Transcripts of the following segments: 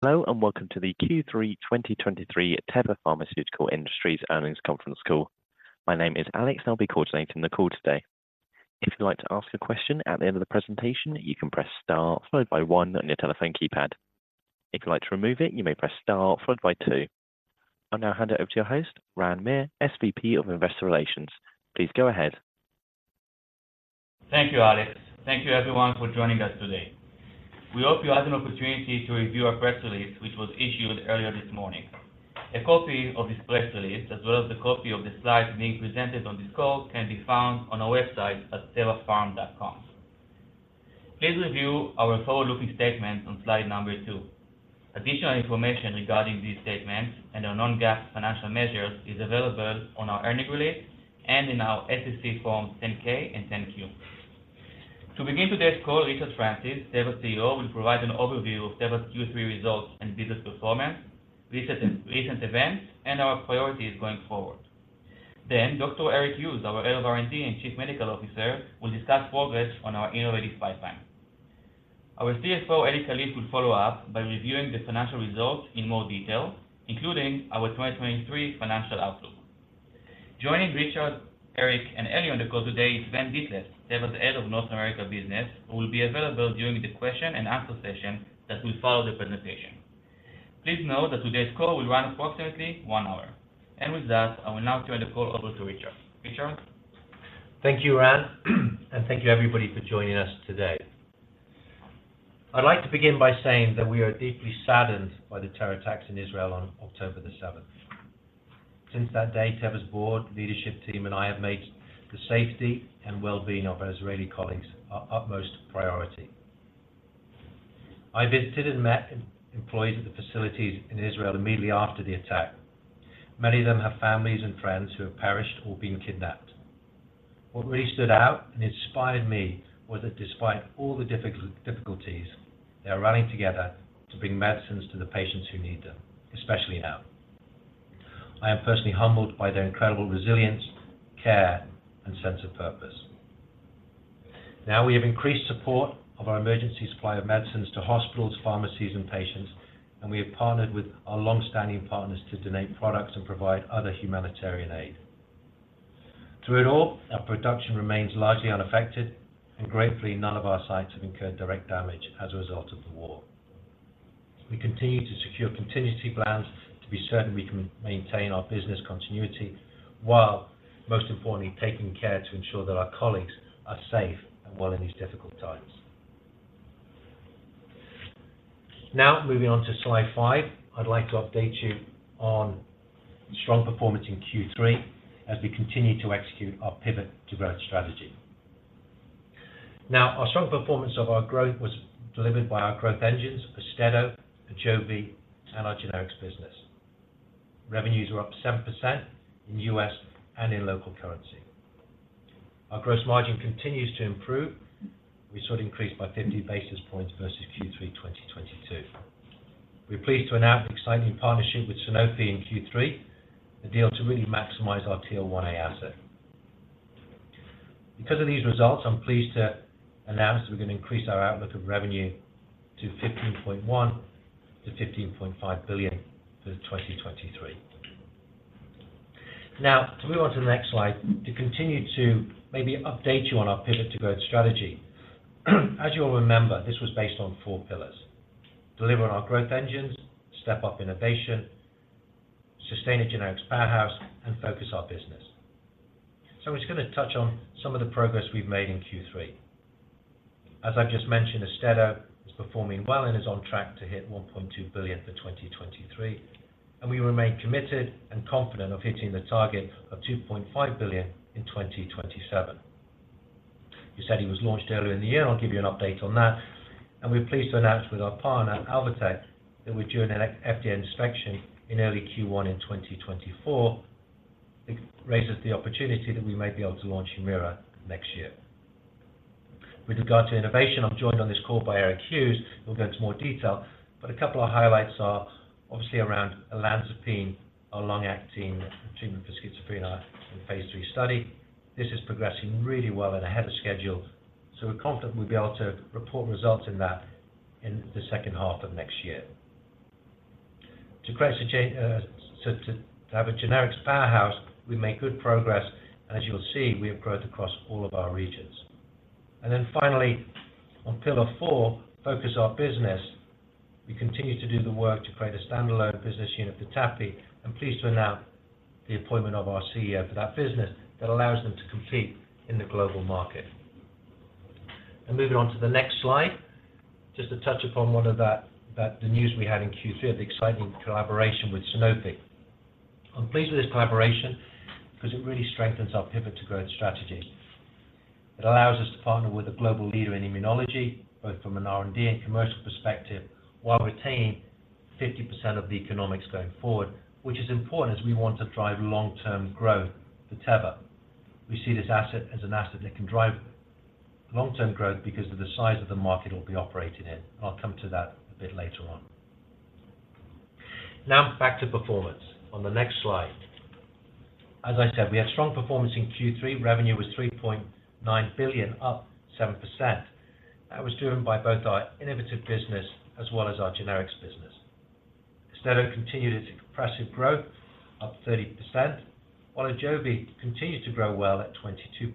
Hello, and welcome to the Q3 2023 Teva Pharmaceutical Industries Earnings Conference Call. My name is Alex, and I'll be coordinating the call today. If you'd like to ask a question at the end of the presentation, you can press star followed by one on your telephone keypad. If you'd like to remove it, you may press star followed by two. I'll now hand it over to your host, Ran Meir, SVP of Investor Relations. Please go ahead. Thank you, Alex. Thank you, everyone, for joining us today. We hope you had an opportunity to review our press release, which was issued earlier this morning. A copy of this press release, as well as the copy of the slides being presented on this call, can be found on our website at tevapharm.com. Please review our forward-looking statements on slide number two. Additional information regarding these statements and our non-GAAP financial measures is available on our earnings release and in our SEC forms 10-K and 10-Q. To begin today's call, Richard Francis, Teva's CEO, will provide an overview of Teva's Q3 results and business performance, recent events, and our priorities going forward. Then Dr. Eric Hughes, our Head of R&D and Chief Medical Officer, will discuss progress on our innovative pipeline. Our CFO, Eli Kalif, will follow up by reviewing the financial results in more detail, including our 2023 financial outlook. Joining Richard, Eric, and Eli on the call today is Sven Dethlefs, Teva's Head of North America business, who will be available during the question and answer session that will follow the presentation. Please note that today's call will run approximately one hour. With that, I will now turn the call over to Richard. Richard? Thank you, Ran, and thank you, everybody, for joining us today. I'd like to begin by saying that we are deeply saddened by the terror attacks in Israel on October 7. Since that day, Teva's board, leadership team, and I have made the safety and well-being of our Israeli colleagues our utmost priority. I visited and met employees at the facilities in Israel immediately after the attack. Many of them have families and friends who have perished or been kidnapped. What really stood out and inspired me was that despite all the difficulties, they are running together to bring medicines to the patients who need them, especially now. I am personally humbled by their incredible resilience, care, and sense of purpose. Now, we have increased support of our emergency supply of medicines to hospitals, pharmacies, and patients, and we have partnered with our long-standing partners to donate products and provide other humanitarian aid. Through it all, our production remains largely unaffected, and gratefully, none of our sites have incurred direct damage as a result of the war. We continue to secure contingency plans to be certain we can maintain our business continuity, while most importantly, taking care to ensure that our colleagues are safe and well in these difficult times. Now, moving on to slide 5, I'd like to update you on strong performance in Q3 as we continue to execute our Pivot to Growth strategy. Now, our strong performance of our growth was delivered by our growth engines, AUSTEDO, AJOVY, and our generics business. Revenues were up 7% in U.S. and in local currency. Our gross margin continues to improve. We saw it increase by 50 basis points versus Q3 2022. We're pleased to announce an exciting partnership with Sanofi in Q3, a deal to really maximize our TL1A asset. Because of these results, I'm pleased to announce that we're going to increase our outlook of revenue to $15.1 billion-$15.5 billion for 2023. Now, to move on to the next slide, to continue to maybe update you on our Pivot to Growth strategy. As you all remember, this was based on four pillars: deliver on our growth engines, step up innovation, sustain a generics powerhouse, and focus our business. So I'm just going to touch on some of the progress we've made in Q3. As I've just mentioned, AUSTEDO is performing well and is on track to hit $1.2 billion for 2023, and we remain committed and confident of hitting the target of $2.5 billion in 2027. You said it was launched earlier in the year, and I'll give you an update on that. And we're pleased to announce with our partner, Alvotech, that we're doing an FDA inspection in early Q1 in 2024. It raises the opportunity that we might be able to launch Humira next year. With regard to innovation, I'm joined on this call by Eric Hughes, who will go into more detail, but a couple of highlights are obviously around olanzapine, a long-acting treatment for schizophrenia in phase III study. This is progressing really well and ahead of schedule, so we're confident we'll be able to report results in that in the second half of next year. To create a generics powerhouse, we make good progress, and as you'll see, we have growth across all of our regions. Then finally, on pillar four, focus our business. We continue to do the work to create a standalone business unit for Teva. I'm pleased to announce the appointment of our CEO for that business that allows them to compete in the global market. Moving on to the next slide, just to touch upon one of that, the news we had in Q3, the exciting collaboration with Sanofi. I'm pleased with this collaboration because it really strengthens our Pivot to Growth strategy. It allows us to partner with a global leader in immunology, both from an R&D and commercial perspective, while retaining 50% of the economics going forward, which is important as we want to drive long-term growth for Teva. We see this asset as an asset that can drive long-term growth because of the size of the market it'll be operating in. I'll come to that a bit later on. Now, back to performance on the next slide. As I said, we had strong performance in Q3. Revenue was $3.9 billion, up 7%. That was driven by both our innovative business as well as our generics business. AUSTEDO continued its impressive growth, up 30%, while AJOVY continued to grow well at 22%.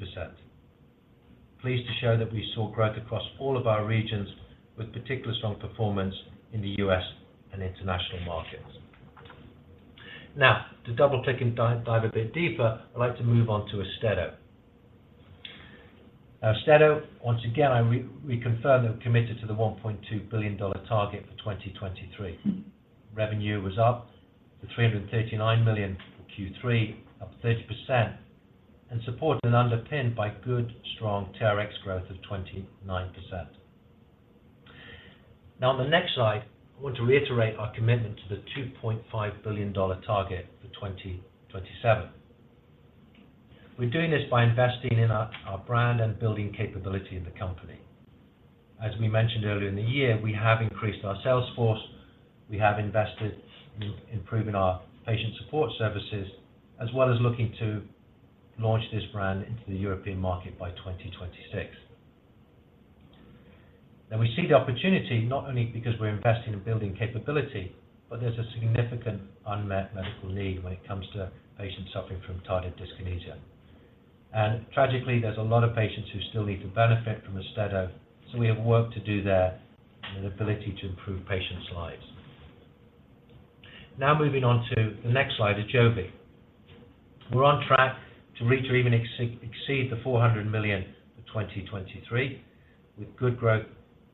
Pleased to show that we saw growth across all of our regions, with particular strong performance in the U.S. and international markets. Now, to double-click and dive a bit deeper, I'd like to move on to AUSTEDO. AUSTEDO, once again, I, we, we confirm and committed to the $1.2 billion target for 2023. Revenue was up to $339 million for Q3, up 30%, and supported and underpinned by good, strong TRX growth of 29%. Now, on the next slide, I want to reiterate our commitment to the $2.5 billion target for 2027. We're doing this by investing in our, our brand and building capability in the company. As we mentioned earlier in the year, we have increased our sales force. We have invested in improving our patient support services, as well as looking to launch this brand into the European market by 2026. And we see the opportunity not only because we're investing in building capability, but there's a significant unmet medical need when it comes to patients suffering from tardive dyskinesia. And tragically, there's a lot of patients who still need to benefit from AUSTEDO, so we have work to do there and an ability to improve patients' lives. Now, moving on to the next slide, AJOVY. We're on track to reach or even exceed the $400 million for 2023, with good growth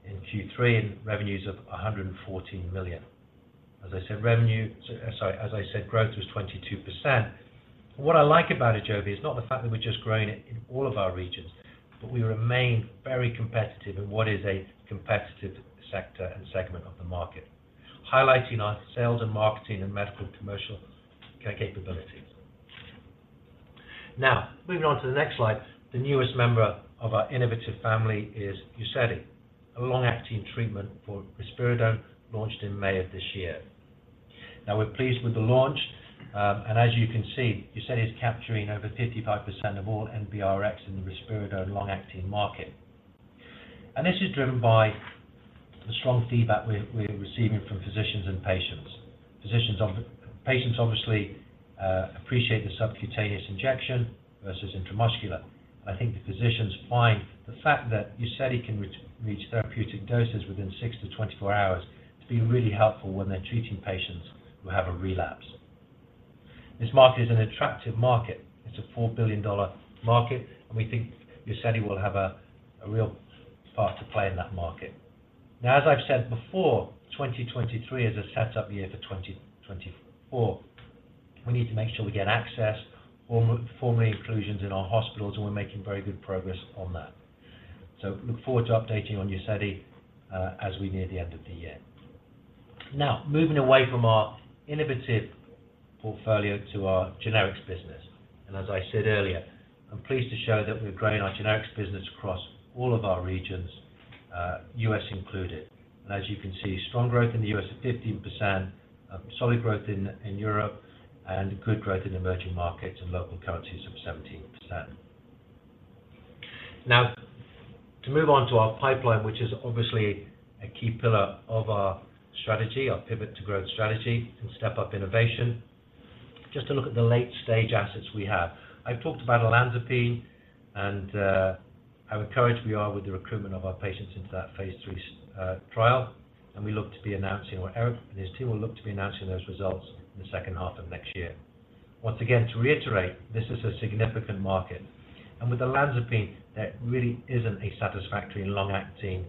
in Q3 and revenues of $114 million. As I said, revenue. Sorry, as I said, growth was 22%. What I like about AJOVY is not the fact that we're just growing it in all of our regions, but we remain very competitive in what is a competitive sector and segment of the market, highlighting our sales and marketing and medical commercial capabilities. Now, moving on to the next slide, the newest member of our innovative family is UZEDY, a long-acting treatment for risperidone, launched in May of this year. Now, we're pleased with the launch, and as you can see, UZEDY is capturing over 55% of all NBRX in the risperidone long-acting market. This is driven by the strong feedback we're receiving from physicians and patients. Patients obviously appreciate the subcutaneous injection versus intramuscular. I think the physicians find the fact that UZEDY can reach therapeutic doses within 6-24 hours to be really helpful when they're treating patients who have a relapse. This market is an attractive market. It's a $4 billion market, and we think UZEDY will have a real part to play in that market. Now, as I've said before, 2023 is a set-up year for 2024. We need to make sure we get access, formulary inclusions in our hospitals, and we're making very good progress on that. So look forward to updating on UZEDY as we near the end of the year. Now, moving away from our innovative portfolio to our generics business, and as I said earlier, I'm pleased to show that we've grown our generics business across all of our regions, U.S. included. As you can see, strong growth in the U.S. at 15%, solid growth in Europe, and good growth in emerging markets and local currencies of 17%. Now, to move on to our pipeline, which is obviously a key pillar of our strategy, our pivot to growth strategy and step up innovation. Just to look at the late-stage assets we have. I've talked about olanzapine, and how encouraged we are with the recruitment of our patients into that phase III trial, and we look to be announcing, or Eric and his team will look to be announcing those results in the second half of next year. Once again, to reiterate, this is a significant market, and with olanzapine, there really isn't a satisfactory long-acting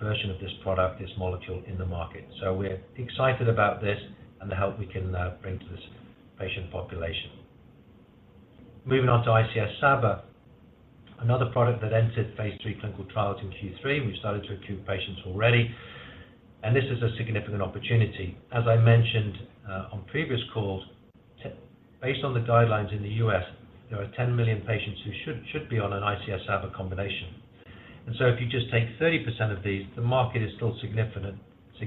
version of this product, this molecule, in the market. So we're excited about this and the help we can bring to this patient population. Moving on to ICS/SABA, another product that entered phase III clinical trials in Q3, and we started to accrue patients already. And this is a significant opportunity. As I mentioned on previous calls, based on the guidelines in the U.S., there are 10 million patients who should be on an ICS/SABA combination. And so if you just take 30% of these, the market is still significant at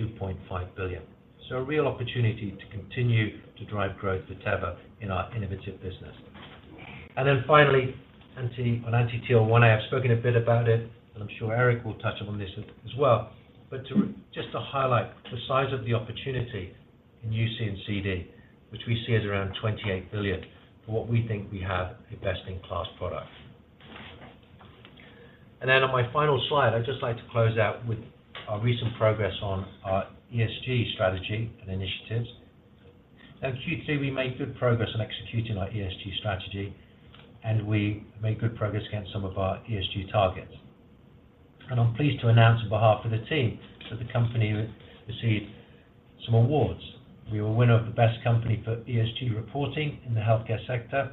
$2.5 billion. So a real opportunity to continue to drive growth for Teva in our innovative business. And then finally, anti, an anti-TL1A. I've spoken a bit about it, and I'm sure Eric will touch upon this as well. But to just highlight the size of the opportunity in UC and CD, which we see as around $28 billion, for what we think we have a best-in-class product. And then on my final slide, I'd just like to close out with our recent progress on our ESG strategy and initiatives. In Q3, we made good progress on executing our ESG strategy, and we made good progress against some of our ESG targets. And I'm pleased to announce, on behalf of the team, that the company received some awards. We were winner of the Best Company for ESG Reporting in the healthcare sector,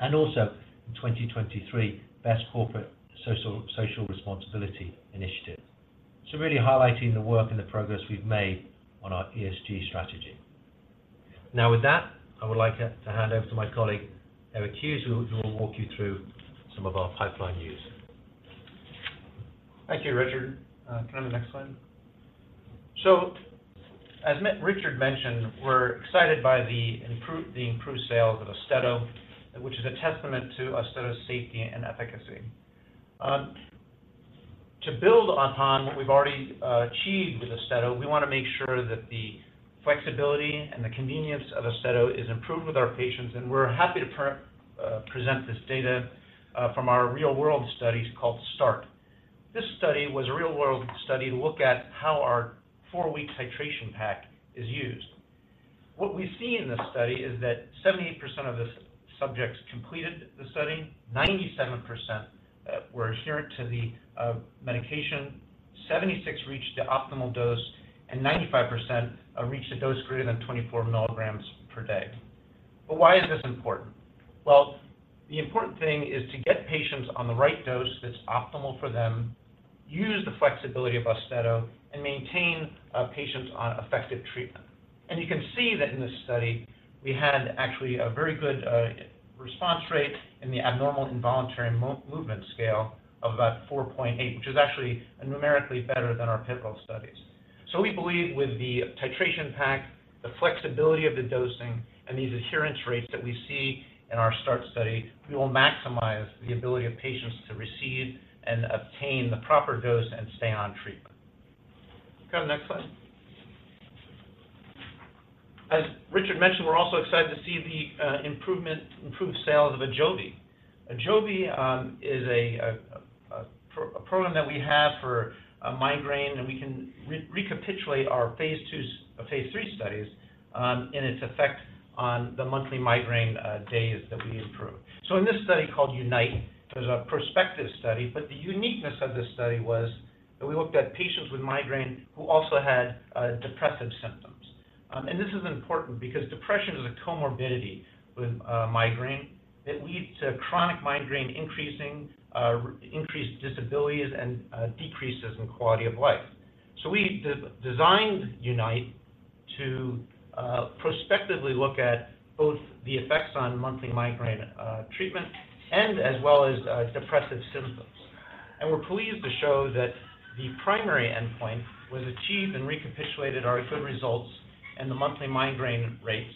and also in 2023, Best Corporate Social, Social Responsibility Initiative. So really highlighting the work and the progress we've made on our ESG strategy. Now, with that, I would like to hand over to my colleague, Eric Hughes, who will walk you through some of our pipeline news. Thank you, Richard. Can I have the next slide? So as Richard mentioned, we're excited by the improved sales of AUSTEDO, which is a testament to AUSTEDO's safety and efficacy. To build upon what we've already achieved with AUSTEDO, we want to make sure that the flexibility and the convenience of AUSTEDO is improved with our patients, and we're happy to present this data from our real-world studies called START. This study was a real-world study to look at how our four-week titration pack is used. What we see in this study is that 78% of the subjects completed the study, 97% were adherent to the medication, 76 reached the optimal dose, and 95% reached a dose greater than 24 milligrams per day. But why is this important? Well, the important thing is to get patients on the right dose that's optimal for them, use the flexibility of AUSTEDO, and maintain patients on effective treatment. And you can see that in this study, we had actually a very good response rate in the Abnormal Involuntary Movement Scale of about 4.8, which is actually numerically better than our pivotal studies. So we believe with the titration pack, the flexibility of the dosing, and these adherence rates that we see in our START study, we will maximize the ability of patients to receive and obtain the proper dose and stay on treatment. Can I have the next slide? As Richard mentioned, we're also excited to see the improvement, improved sales of AJOVY. AJOVY is a program that we have for migraine, and we can recapitulate our phase 2, phase 3 studies and its effect on the monthly migraine days that we improved. So in this study, called UNITE, it was a prospective study, but the uniqueness of this study was that we looked at patients with migraine who also had depressive symptoms. And this is important because depression is a comorbidity with migraine that leads to chronic migraine, increased disabilities and decreases in quality of life. So we designed UNITE to prospectively look at both the effects on monthly migraine treatment and as well as depressive symptoms. We're pleased to show that the primary endpoint was achieved and recapitulated our good results in the monthly migraine rates,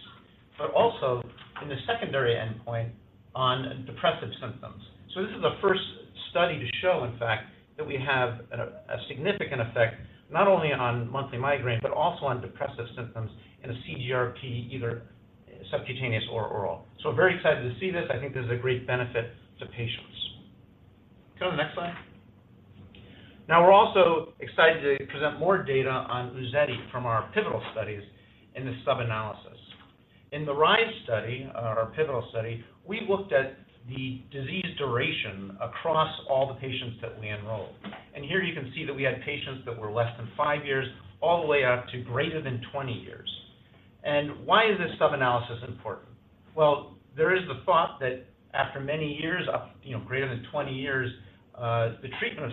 but also in the secondary endpoint on depressive symptoms. This is the first study to show, in fact, that we have a, a significant effect not only on monthly migraine, but also on depressive symptoms in a CGRP, either subcutaneous or oral. We're very excited to see this. I think this is a great benefit to patients. Can I have the next slide? Now, we're also excited to present more data on UZEDY from our pivotal studies in this subanalysis. In the RIDE study, our pivotal study, we looked at the disease duration across all the patients that we enrolled. Here you can see that we had patients that were less than 5 years, all the way up to greater than 20 years. Why is this subanalysis important? Well, there is the thought that after many years, you know, greater than 20 years, the treatment of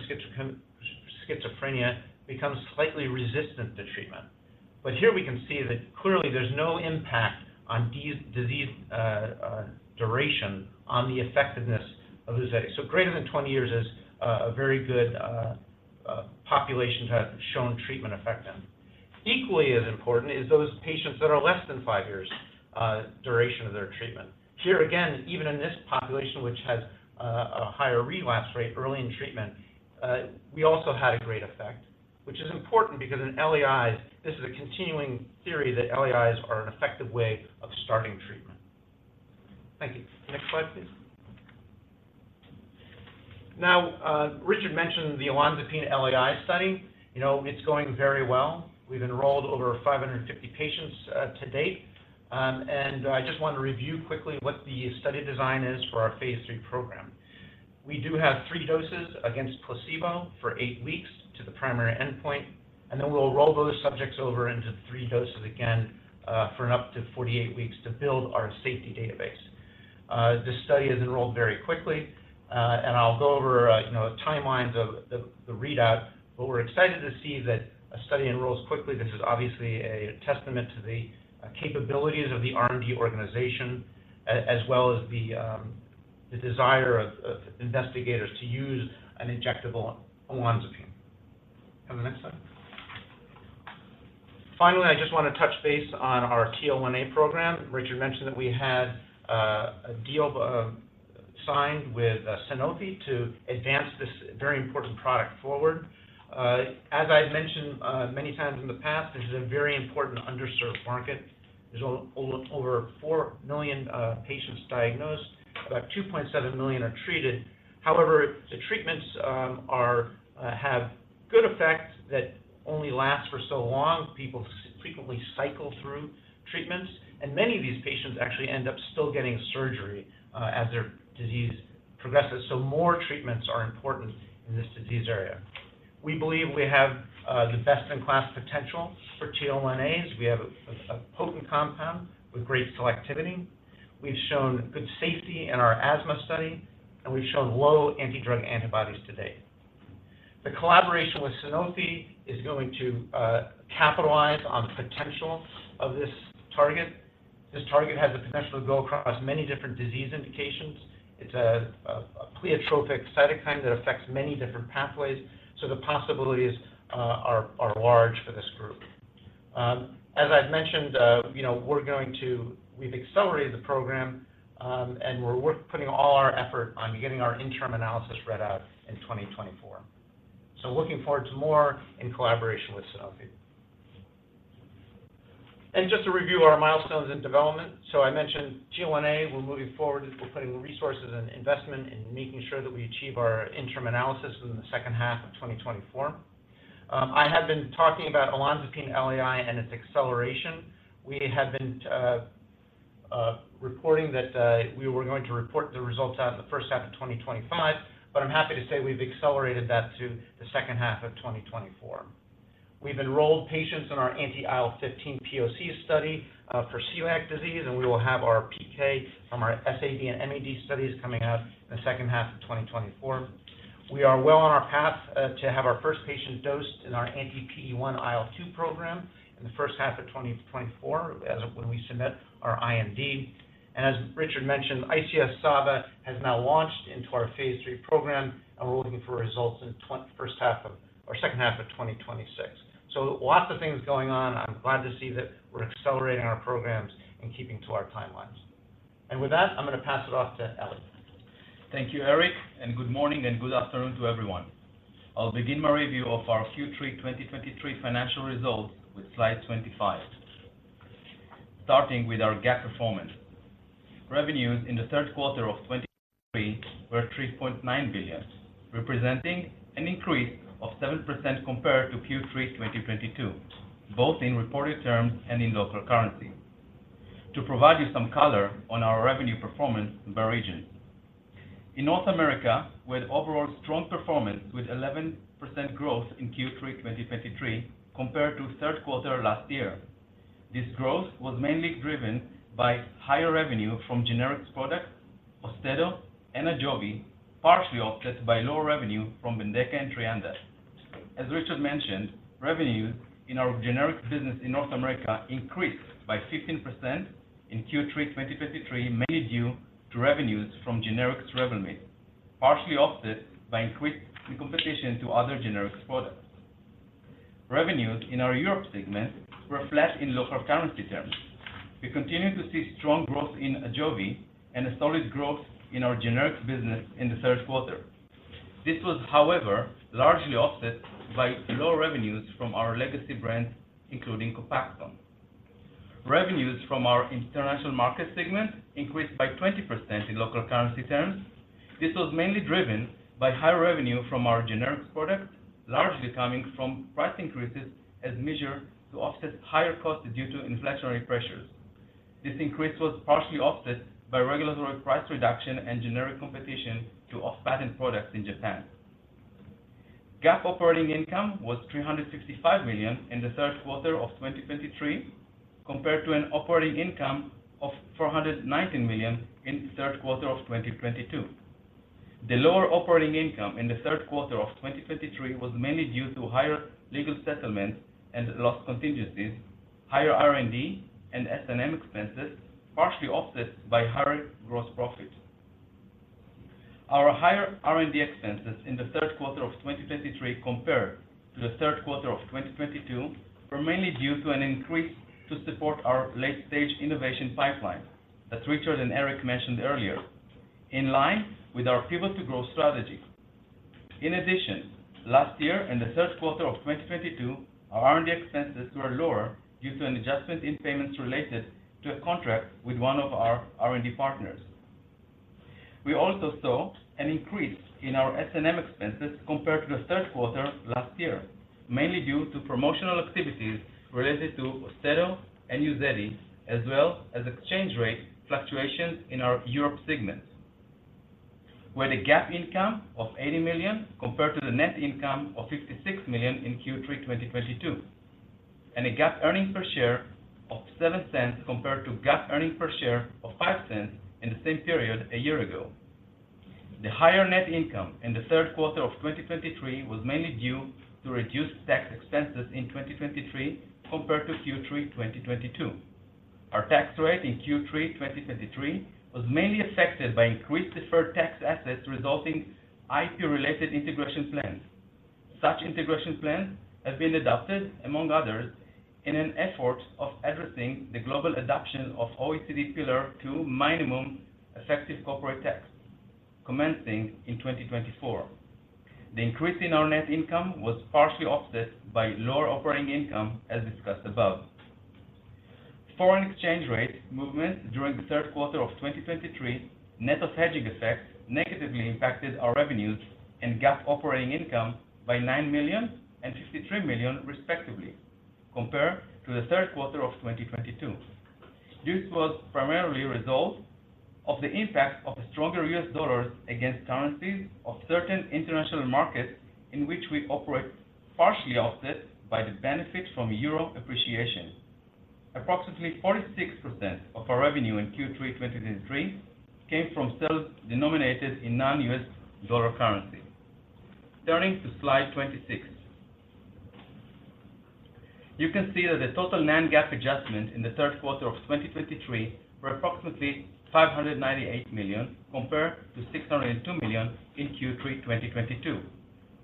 schizophrenia becomes slightly resistant to treatment. But here we can see that clearly there's no impact on disease duration on the effectiveness of UZEDY. So greater than 20 years is a very good population to have shown treatment effect in. Equally as important is those patients that are less than 5 years duration of their treatment. Here, again, even in this population, which has a higher relapse rate early in treatment, we also had a great effect, which is important because in LAIs, this is a continuing theory that LAIs are an effective way of starting treatment. Thank you. Next slide, please. Now, Richard mentioned the olanzapine LAI study. You know, it's going very well. We've enrolled over 550 patients to date. And I just want to review quickly what the study design is for our phase III program. We do have 3 doses against placebo for 8 weeks to the primary endpoint, and then we'll roll those subjects over into 3 doses again for up to 48 weeks to build our safety database. This study has enrolled very quickly, and I'll go over you know, timelines of the readout, but we're excited to see that a study enrolls quickly. This is obviously a testament to the capabilities of the R&D organization, as well as the desire of investigators to use an injectable olanzapine. Can I have the next slide? Finally, I just want to touch base on our TL1A program. Richard mentioned that we had a deal signed with Sanofi to advance this very important product forward. As I've mentioned many times in the past, this is a very important underserved market. There's over 4 million patients diagnosed. About 2.7 million are treated. However, the treatments have good effects that only last for so long. People frequently cycle through treatments, and many of these patients actually end up still getting surgery as their disease progresses. So more treatments are important in this disease area. We believe we have the best-in-class potential for TL1As. We have a potent compound with great selectivity. We've shown good safety in our asthma study, and we've shown low anti-drug antibodies to date. The collaboration with Sanofi is going to capitalize on the potential of this target. This target has the potential to go across many different disease indications. It's a pleiotropic cytokine that affects many different pathways, so the possibilities are large for this group. As I've mentioned, you know, we've accelerated the program, and we're putting all our effort on getting our interim analysis read out in 2024. Looking forward to more in collaboration with Sanofi. Just to review our milestones and development. I mentioned GLP-1a, we're moving forward, and we're putting resources and investment in making sure that we achieve our interim analysis within the second half of 2024. I have been talking about olanzapine-LAI and its acceleration. We have been reporting that we were going to report the results out in the first half of 2025, but I'm happy to say we've accelerated that to the second half of 2024. We've enrolled patients in our anti-IL-15 POC study for celiac disease, and we will have our PK from our SAD and MAD studies coming out in the second half of 2024. We are well on our path to have our first patient dosed in our anti-PD1-IL2 program in the first half of 2024, as of when we submit our IND. And as Richard mentioned, ICS SABA has now launched into our phase III program, and we're looking for results in the first half or second half of 2026. So lots of things going on. I'm glad to see that we're accelerating our programs and keeping to our timelines. With that, I'm going to pass it off to Eli. Thank you, Eric, and good morning and good afternoon to everyone. I'll begin my review of our Q3 2023 financial results with slide 25. Starting with our GAAP performance. Revenues in the third quarter of 2023 were $3.9 billion, representing an increase of 7% compared to Q3 2022, both in reported terms and in local currency. To provide you some color on our revenue performance by region. In North America, we had overall strong performance, with 11% growth in Q3 2023 compared to third quarter last year. This growth was mainly driven by higher revenue from generics products, AUSTEDO and AJOVY, partially offset by lower revenue from BENDEKA and TREANDA. As Richard mentioned, revenues in our generics business in North America increased by 15% in Q3 2023, mainly due to revenues from generics Revlimid, partially offset by increased competition to other generics products. Revenues in our Europe segment were flat in local currency terms. We continued to see strong growth in AJOVY and a solid growth in our generics business in the third quarter. This was, however, largely offset by lower revenues from our legacy brands, including COPAXONE. Revenues from our international market segment increased by 20% in local currency terms. This was mainly driven by higher revenue from our generics products, largely coming from price increases as measured to offset higher costs due to inflationary pressures. This increase was partially offset by regulatory price reduction and generic competition to off-patent products in Japan. GAAP operating income was $365 million in the third quarter of 2023, compared to an operating income of $419 million in the third quarter of 2022. The lower operating income in the third quarter of 2023 was mainly due to higher legal settlements and loss contingencies, higher R&D and S&M expenses, partially offset by higher gross profit. Our higher R&D expenses in the third quarter of 2023 compared to the third quarter of 2022, were mainly due to an increase to support our late-stage innovation pipeline, as Richard and Eric mentioned earlier, in line with our people to growth strategy. In addition, last year, in the third quarter of 2022, our R&D expenses were lower due to an adjustment in payments related to a contract with one of our R&D partners. We also saw an increase in our S&M expenses compared to the third quarter last year, mainly due to promotional activities related to AUSTEDO and UZEDY, as well as exchange rate fluctuations in our Europe segment. We had a GAAP income of $80 million compared to the net income of $56 million in Q3 2022, and a GAAP earnings per share of $0.07 compared to GAAP earnings per share of $0.05 in the same period a year ago. The higher net income in the third quarter of 2023 was mainly due to reduced tax expenses in 2023 compared to Q3 2022. Our tax rate in Q3 2023 was mainly affected by increased deferred tax assets resulting IP-related integration plans. Such integration plans have been adopted, among others, in an effort of addressing the global adoption of OECD Pillar Two minimum effective corporate tax, commencing in 2024. The increase in our net income was partially offset by lower operating income, as discussed above. Foreign exchange rate movement during the third quarter of 2023, net of hedging effects, negatively impacted our revenues and GAAP operating income by $9 million and $53 million, respectively, compared to the third quarter of 2022. This was primarily a result of the impact of a stronger U.S. dollar against currencies of certain international markets in which we operate, partially offset by the benefit from euro appreciation. Approximately 46% of our revenue in Q3 2023 came from sales denominated in non-U.S. dollar currency. Turning to slide 26. You can see that the total non-GAAP adjustments in the third quarter of 2023 were approximately $598 million, compared to $602 million in Q3 2022.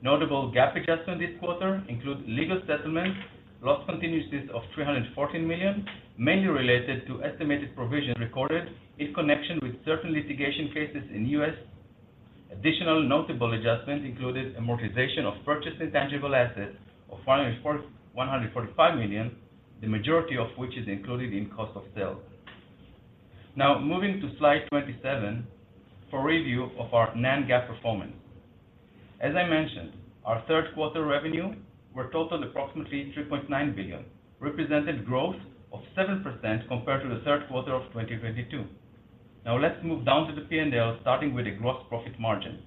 Notable GAAP adjustments this quarter include legal settlements, loss contingencies of $314 million, mainly related to estimated provisions recorded in connection with certain litigation cases in U.S. Additional notable adjustments included amortization of purchased intangible assets of $145 million, the majority of which is included in cost of sales. Now, moving to slide 27, for review of our non-GAAP performance. As I mentioned, our third quarter revenues totaled approximately $3.9 billion, representing growth of 7% compared to the third quarter of 2022. Now, let's move down to the P&L, starting with the gross profit margin.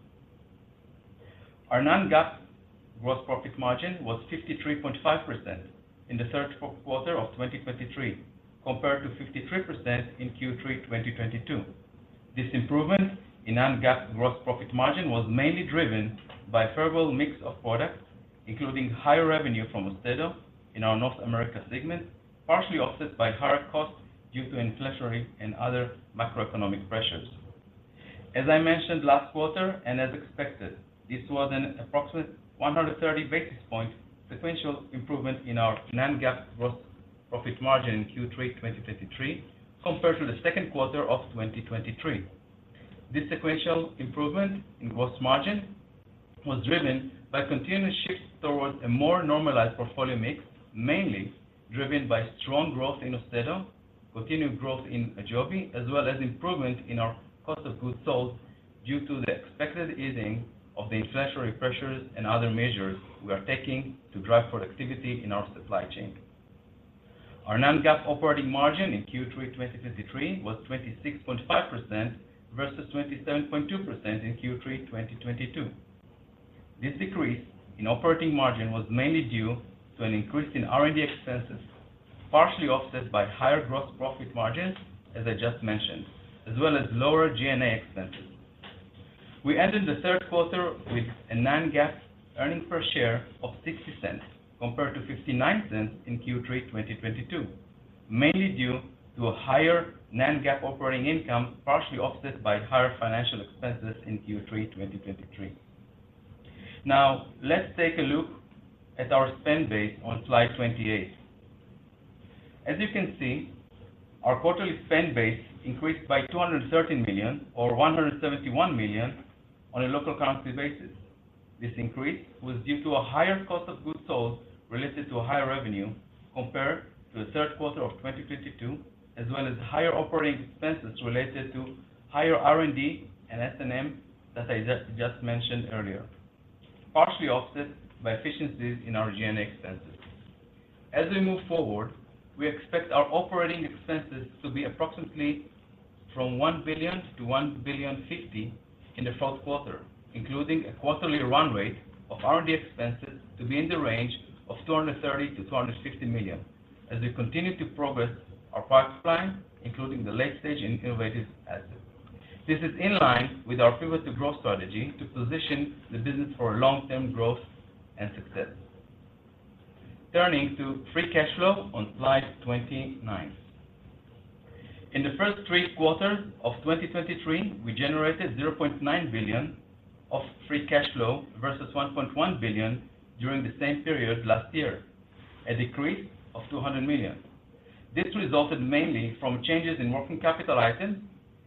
Our non-GAAP gross profit margin was 53.5% in the third quarter of 2023, compared to 53% in Q3 2022. This improvement in non-GAAP gross profit margin was mainly driven by favorable mix of products, including higher revenue from AUSTEDO in our North America segment, partially offset by higher costs due to inflationary and other macroeconomic pressures. As I mentioned last quarter, and as expected, this was an approximate 100 basis point sequential improvement in our non-GAAP gross profit margin in Q3 2023, compared to the second quarter of 2023. This sequential improvement in gross margin was driven by continuous shifts towards a more normalized portfolio mix, mainly driven by strong growth in AUSTEDO, continued growth in AJOVY, as well as improvement in our cost of goods sold, due to the expected easing of the inflationary pressures and other measures we are taking to drive productivity in our supply chain. Our non-GAAP operating margin in Q3 2023 was 26.5% versus 27.2% in Q3 2022. This decrease in operating margin was mainly due to an increase in R&D expenses, partially offset by higher gross profit margins, as I just mentioned, as well as lower G&A expenses. We ended the third quarter with a non-GAAP earnings per share of $0.60, compared to $0.59 in Q3 2022, mainly due to a higher non-GAAP operating income, partially offset by higher financial expenses in Q3 2023. Now, let's take a look at our spend base on slide 28. As you can see, our quarterly spend base increased by $213 million, or $171 million on a local currency basis. This increase was due to a higher cost of goods sold related to a higher revenue compared to the third quarter of 2022, as well as higher operating expenses related to higher R&D and S&M that I just mentioned earlier, partially offset by efficiencies in our G&A expenses. As we move forward, we expect our operating expenses to be approximately $1 billion-$1.05 billion in the fourth quarter, including a quarterly run rate of R&D expenses to be in the range of $230 million-$250 million, as we continue to progress our pipeline, including the late-stage and innovative assets. This is in line with our Pivot to Growth strategy to position the business for long-term growth and success. Turning to free cash flow on slide 29. In the first three quarters of 2023, we generated $0.9 billion of free cash flow versus $1.1 billion during the same period last year, a decrease of $200 million. This resulted mainly from changes in working capital items,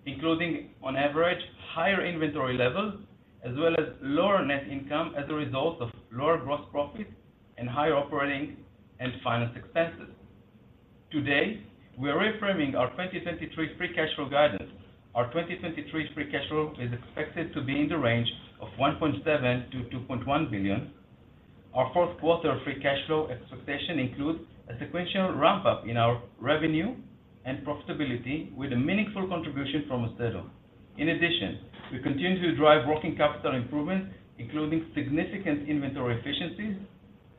including, on average, higher inventory levels, as well as lower net income as a result of lower gross profits and higher operating and finance expenses. Today, we are reframing our 2023 free cash flow guidance. Our 2023 free cash flow is expected to be in the range of $1.7 billion-$2.1 billion. Our fourth quarter free cash flow expectation includes a sequential ramp-up in our revenue and profitability with a meaningful contribution from AUSTEDO. In addition, we continue to drive working capital improvements, including significant inventory efficiencies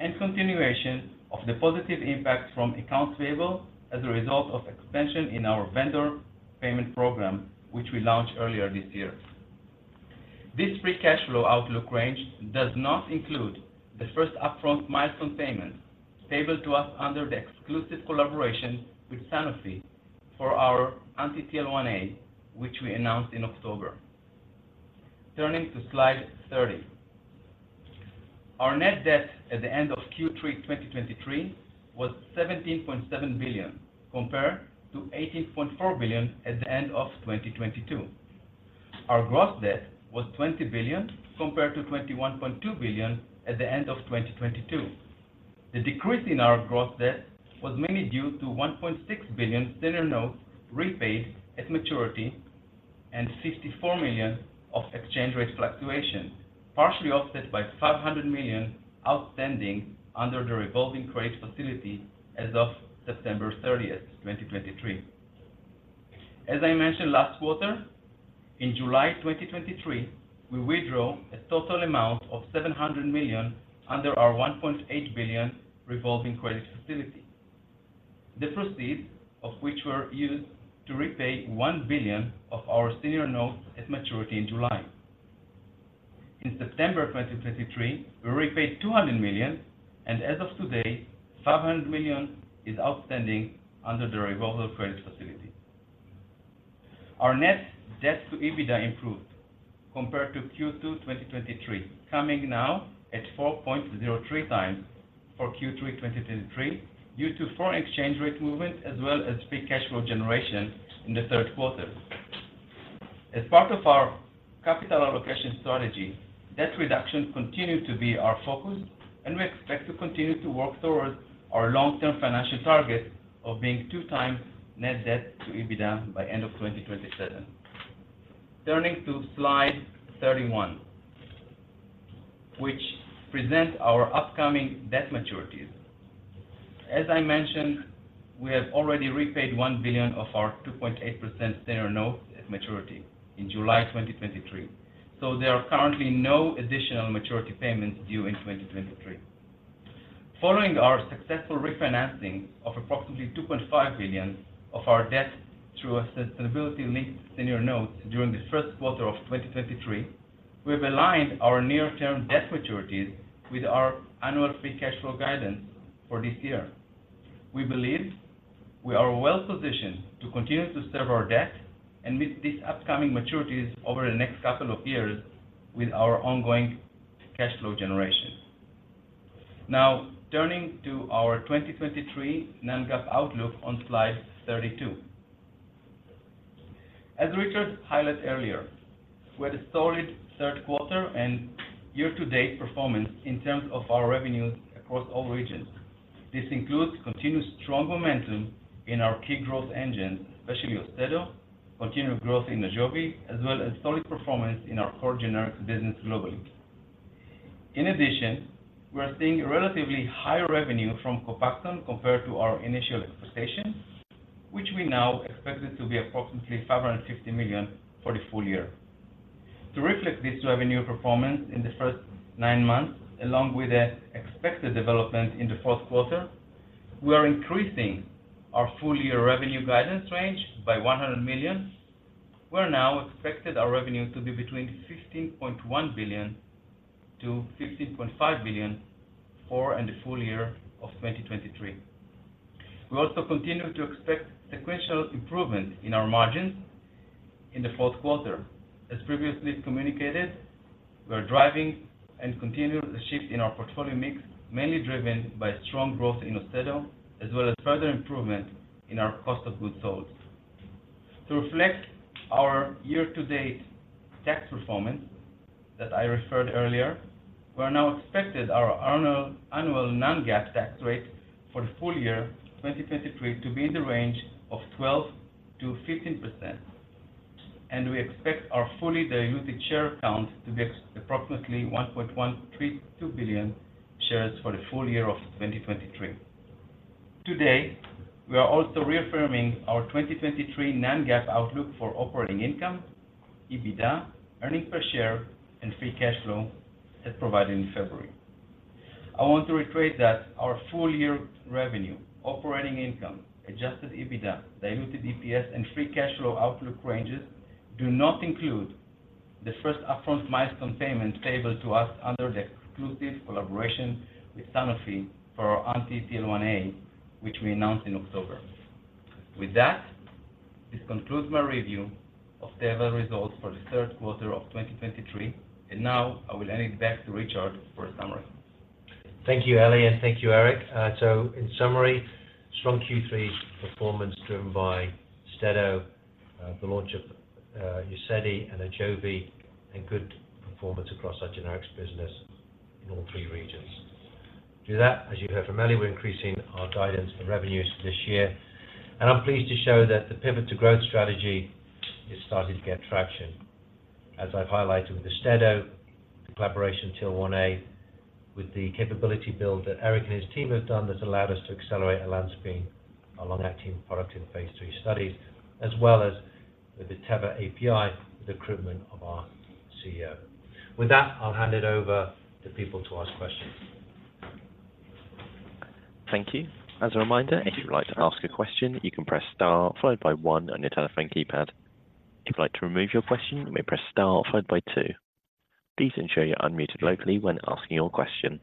and continuation of the positive impact from accounts payable as a result of expansion in our vendor payment program, which we launched earlier this year. This free cash flow outlook range does not include the first upfront milestone payment payable to us under the exclusive collaboration with Sanofi for our anti-TL1A, which we announced in October. Turning to slide 30. Our net debt at the end of Q3 2023 was $17.7 billion, compared to $18.4 billion at the end of 2022. Our gross debt was $20 billion, compared to $21.2 billion at the end of 2022. The decrease in our gross debt was mainly due to $1.6 billion senior notes repaid at maturity and $54 million of exchange rate fluctuations, partially offset by $500 million outstanding under the revolving credit facility as of September 30, 2023. As I mentioned last quarter, in July 2023, we withdrew a total amount of $700 million under our $1.8 billion revolving credit facility, the proceeds of which were used to repay $1 billion of our senior notes at maturity in July. Since September of 2023, we repaid $200 million, and as of today, $500 million is outstanding under the revolving credit facility. Our net debt to EBITDA improved compared to Q2 2023, coming now at 4.03 times for Q3 2023, due to foreign exchange rate movement, as well as free cash flow generation in the third quarter. As part of our capital allocation strategy, debt reduction continued to be our focus, and we expect to continue to work towards our long-term financial target of being 2 times net debt to EBITDA by end of 2027. Turning to Slide 31, which presents our upcoming debt maturities. As I mentioned, we have already repaid $1 billion of our 2.8% senior note at maturity in July 2023, so there are currently no additional maturity payments due in 2023. Following our successful refinancing of approximately $2.5 billion of our debt through a sustainability-linked senior note during the first quarter of 2023, we have aligned our near-term debt maturities with our annual free cash flow guidance for this year. We believe we are well positioned to continue to serve our debt and meet these upcoming maturities over the next couple of years with our ongoing cash flow generation. Now, turning to our 2023 non-GAAP outlook on Slide 32. As Richard highlighted earlier, we had a solid third quarter and year-to-date performance in terms of our revenues across all regions. This includes continuous strong momentum in our key growth engines, especially AUSTEDO, continued growth in AJOVY, as well as solid performance in our core generics business globally. In addition, we are seeing a relatively higher revenue from COPAXONE compared to our initial expectations, which we now expected to be approximately $550 million for the full year. To reflect this revenue performance in the first nine months, along with the expected development in the fourth quarter, we are increasing our full-year revenue guidance range by $100 million. We are now expected our revenue to be between $16.1 billion-$16.5 billion for the full year of 2023. We also continue to expect sequential improvement in our margins in the fourth quarter. As previously communicated, we are driving and continue the shift in our portfolio mix, mainly driven by strong growth in AUSTEDO, as well as further improvement in our cost of goods sold. To reflect our year-to-date tax performance that I referred earlier, we now expect our annual non-GAAP tax rate for the full year 2023 to be in the range of 12%-15%, and we expect our fully diluted share count to be approximately 1.132 billion shares for the full year of 2023. Today, we are also reaffirming our 2023 non-GAAP outlook for operating income, EBITDA, earnings per share, and free cash flow as provided in February. I want to reiterate that our full-year revenue, operating income, adjusted EBITDA, diluted EPS, and free cash flow outlook ranges do not include the first upfront milestone payment payable to us under the exclusive collaboration with Sanofi for our anti-TL1A, which we announced in October. With that, this concludes my review of Teva results for the third quarter of 2023, and now I will hand it back to Richard for a summary. Thank you, Eli, and thank you, Eric. So in summary, strong Q3 performance driven by AUSTEDO, the launch of UZEDY and AJOVY, and good performance across our generics business in all three regions. Through that, as you heard from Eli, we're increasing our guidance for revenues this year, and I'm pleased to show that the Pivot to Growth strategy is starting to get traction. As I've highlighted with the AUSTEDO, the collaboration, TL1A, with the capability build that Eric and his team have done, that's allowed us to accelerate olanzapine, our long-acting product in phase III studies, as well as with the Teva API, the recruitment of our CEO. With that, I'll hand it over to people to ask questions. Thank you. As a reminder, if you'd like to ask a question, you can press star followed by one on your telephone keypad. If you'd like to remove your question, you may press star followed by two. Please ensure you're unmuted locally when asking your question.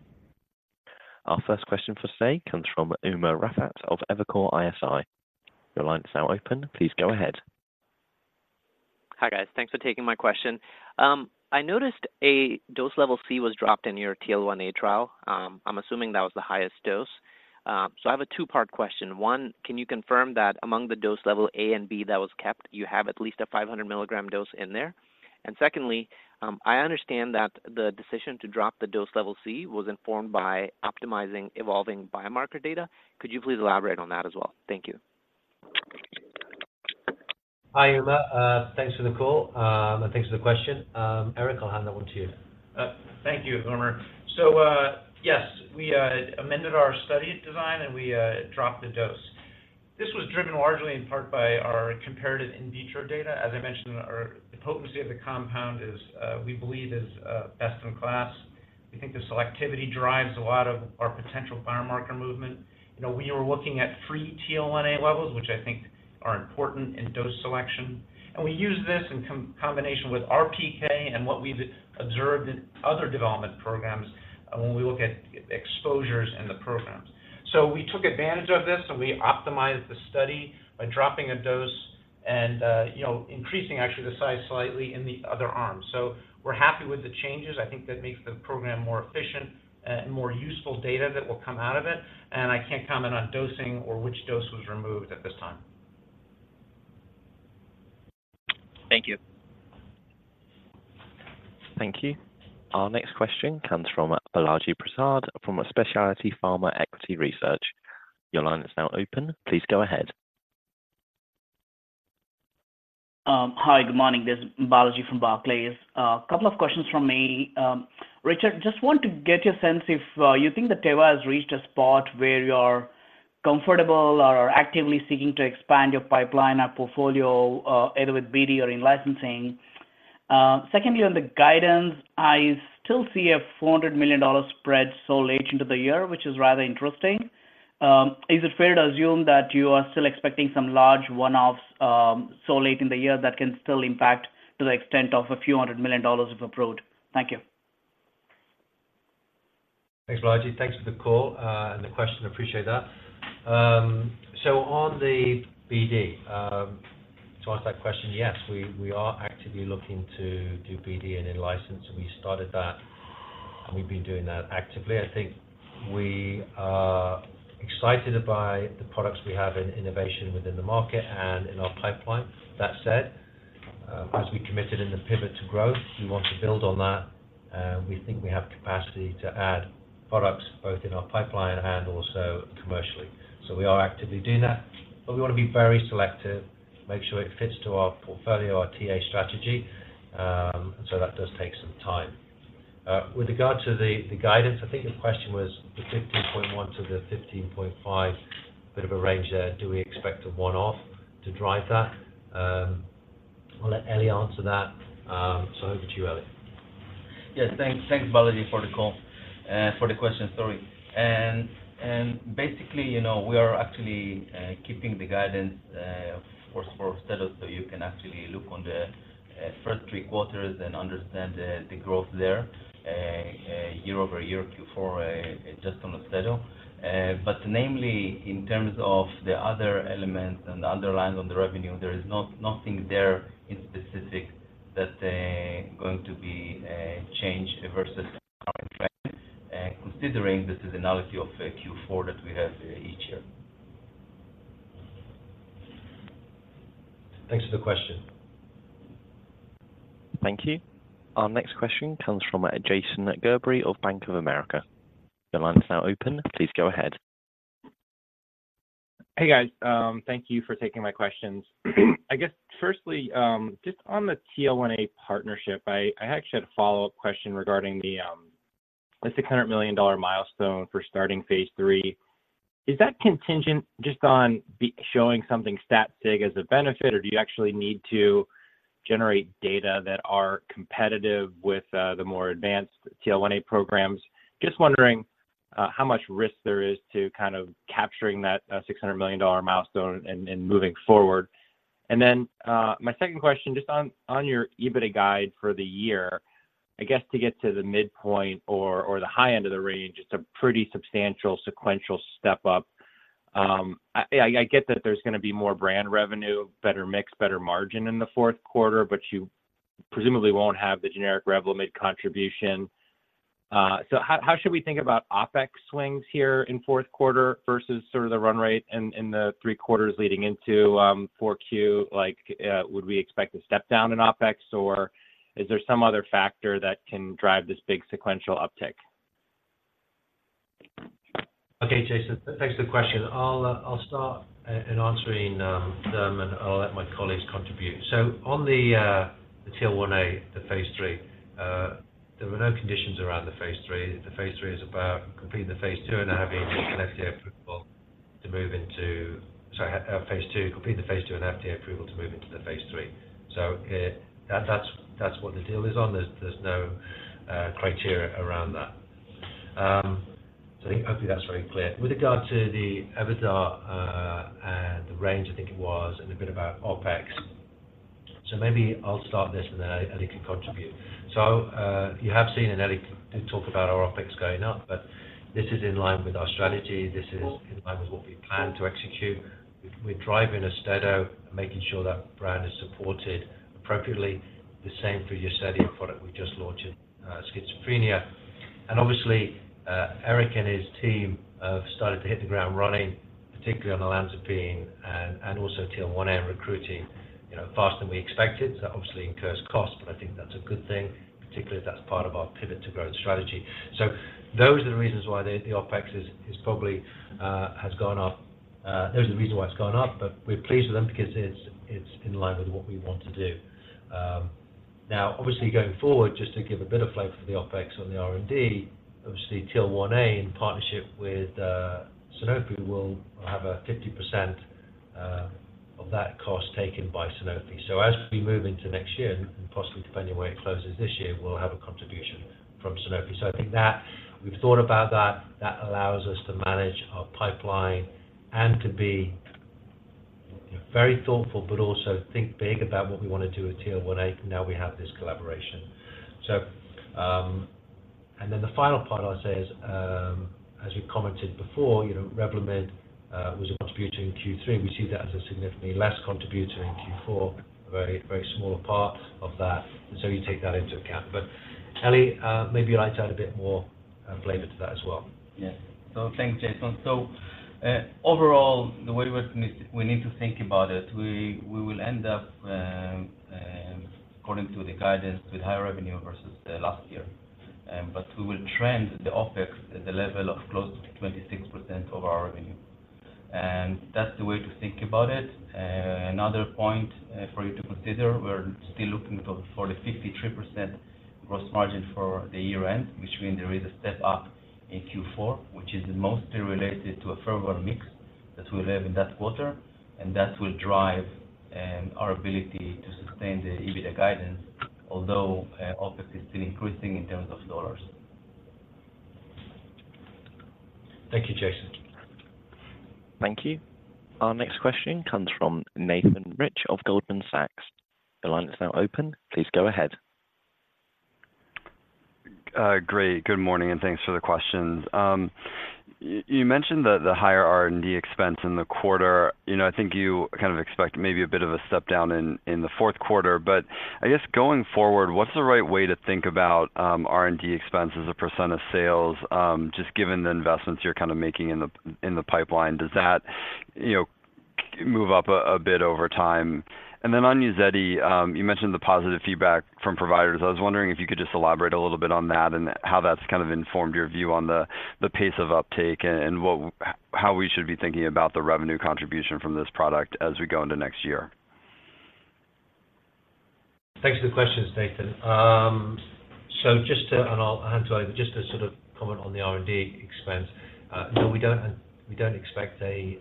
Our first question for today comes from Umer Raffat of Evercore ISI. Your line is now open. Please go ahead. Hi, guys. Thanks for taking my question. I noticed a dose level C was dropped in your TL1A trial. I'm assuming that was the highest dose. So I have a 2-part question. One, can you confirm that among the dose level A and B that was kept, you have at least a 500 milligram dose in there? And secondly, I understand that the decision to drop the dose level C was informed by optimizing evolving biomarker data. Could you please elaborate on that as well? Thank you. Hi, Umer. Thanks for the call. And thanks for the question. Eric, I'll hand that one to you. Thank you, Umer. So, yes, we amended our study design, and we dropped the dose. This was driven largely in part by our comparative in vitro data. As I mentioned in our, the potency of the compound is, we believe, best in class. We think the selectivity drives a lot of our potential biomarker movement. You know, we were looking at free TL1A levels, which I think are important in dose selection. And we use this in combination with RPK and what we've observed in other development programs when we look at exposures in the programs. So we took advantage of this, and we optimized the study by dropping a dose and, you know, increasing actually the size slightly in the other arm. So we're happy with the changes. I think that makes the program more efficient and more useful data that will come out of it, and I can't comment on dosing or which dose was removed at this time. Thank you. Thank you. Our next question comes from Balaji Prasad from Specialty Pharma Equity Research. Your line is now open. Please go ahead. Hi, good morning. This is Balaji from Barclays. Couple of questions from me. Richard, just want to get your sense if you think that Teva has reached a spot where you're comfortable or actively seeking to expand your pipeline or portfolio, either with BD or in licensing? Secondly, on the guidance, I still see a $400 million spread so late into the year, which is rather interesting. Is it fair to assume that you are still expecting some large one-offs, so late in the year that can still impact to the extent of a few hundred million dollars of upfront? Thank you. Thanks, Balaji. Thanks for the call, and the question. Appreciate that. So on the BD, to answer that question, yes, we are actively looking to do BD and in-license, and we started that, and we've been doing that actively. I think we are excited by the products we have in innovation within the market and in our pipeline. That said, as we committed in the pivot to growth, we want to build on that. We think we have capacity to add products both in our pipeline and also commercially. So we are actively doing that, but we want to be very selective, make sure it fits to our portfolio, our TA strategy, so that does take some time. With regard to the, the guidance, I think the question was the $15.1-$15.5, bit of a range there. Do we expect a one-off to drive that? I'll let Eli answer that. So over to you, Eli. Yes, thanks. Thanks, Balaji, for the call, for the question, sorry. And basically, you know, we are actually keeping the guidance, of course, for AUSTEDO, so you can actually look on the first three quarters and understand the growth there, year-over-year, Q4, just on AUSTEDO. But namely, in terms of the other elements and the underlying on the revenue, there is nothing there in specific that is going to be changed versus our trend, considering this is analogous to the Q4 that we have each year. Thanks for the question. Thank you. Our next question comes from Jason Gerberry of Bank of America. Your line is now open. Please go ahead. Hey, guys. Thank you for taking my questions. I guess firstly, just on the TL1A partnership, I actually had a follow-up question regarding the $600 million milestone for starting phase 3. Is that contingent just on be showing something stat sig as a benefit, or do you actually need to generate data that are competitive with the more advanced TL1A programs? Just wondering, how much risk there is to kind of capturing that $600 million milestone and moving forward. And then, my second question, just on your EBITDA guide for the year, I guess to get to the midpoint or the high end of the range, it's a pretty substantial sequential step up. I get that there's gonna be more brand revenue, better mix, better margin in the fourth quarter, but you presumably won't have the generic Revlimid contribution. So how should we think about OpEx swings here in fourth quarter versus sort of the run rate in the three quarters leading into four Q? Like, would we expect a step down in OpEx, or is there some other factor that can drive this big sequential uptick? Okay, Jason, thanks for the question. I'll start at answering them, and I'll let my colleagues contribute. So on the TL1A, the phase three, there were no conditions around the phase three. The phase three is about completing the phase two and having an FDA approval to move into... Sorry, phase two, completing the phase two and FDA approval to move into the phase three. So, that's what the deal is on. There's no criteria around that. So I think, hopefully, that's very clear. With regard to the UZEDY, and the range, I think it was, and a bit about OpEx. So maybe I'll start this, and then Eli can contribute. So, you have seen, and Eli did talk about our OpEx going up, but this is in line with our strategy. This is in line with what we plan to execute. We're driving AUSTEDO, making sure that brand is supported appropriately. The same for UZEDY product we just launched in schizophrenia. And obviously, Eric and his team have started to hit the ground running, particularly on the olanzapine and also TL1A, recruiting, you know, faster than we expected. So that obviously incurs cost, but I think that's a good thing, particularly if that's part of our pivot to growth strategy. So those are the reasons why the OpEx is probably has gone up. Those are the reason why it's gone up, but we're pleased with them because it's in line with what we want to do. Now, obviously, going forward, just to give a bit of flavor for the OpEx on the R&D, obviously, TL1A, in partnership with Sanofi, will have a 50% of that cost taken by Sanofi. So as we move into next year, and possibly depending on where it closes this year, we'll have a contribution from Sanofi. So I think that we've thought about that. That allows us to manage our pipeline and to be very thoughtful, but also think big about what we want to do with TL1A now we have this collaboration. So, and then the final part, I'll say is, as we commented before, you know, Revlimid was a contributor in Q3. We see that as a significantly less contributor in Q4, a very, very small part of that, and so you take that into account. Eli, maybe you'd like to add a bit more flavor to that as well. Yes. So thanks, Jason. So, overall, the way we need to think about it, we will end up, according to the guidance, with higher revenue versus last year. But we will trend the OpEx at the level of close to 26% of our revenue. And that's the way to think about it. Another point, for you to consider, we're still looking for the 53% gross margin for the year end, which means there is a step up in Q4, which is mostly related to a favorable mix that we'll have in that quarter, and that will drive our ability to sustain the EBITDA guidance, although OpEx is still increasing in terms of dollars. Thank you, Jason. Thank you. Our next question comes from Nathan Rich of Goldman Sachs. Your line is now open. Please go ahead. Great. Good morning, and thanks for the questions. You mentioned the higher R&D expense in the quarter. You know, I think you kind of expect maybe a bit of a step-down in the fourth quarter, but I guess going forward, what's the right way to think about R&D expense as a % of sales, just given the investments you're kind of making in the pipeline? Does that, you know, move up a bit over time? And then on UZEDY, you mentioned the positive feedback from providers. I was wondering if you could just elaborate a little bit on that, and how that's kind of informed your view on the pace of uptake and how we should be thinking about the revenue contribution from this product as we go into next year. Thanks for the questions, Nathan. So, I'll hand to Eli, but just to sort of comment on the R&D expense, no, we don't, we don't expect a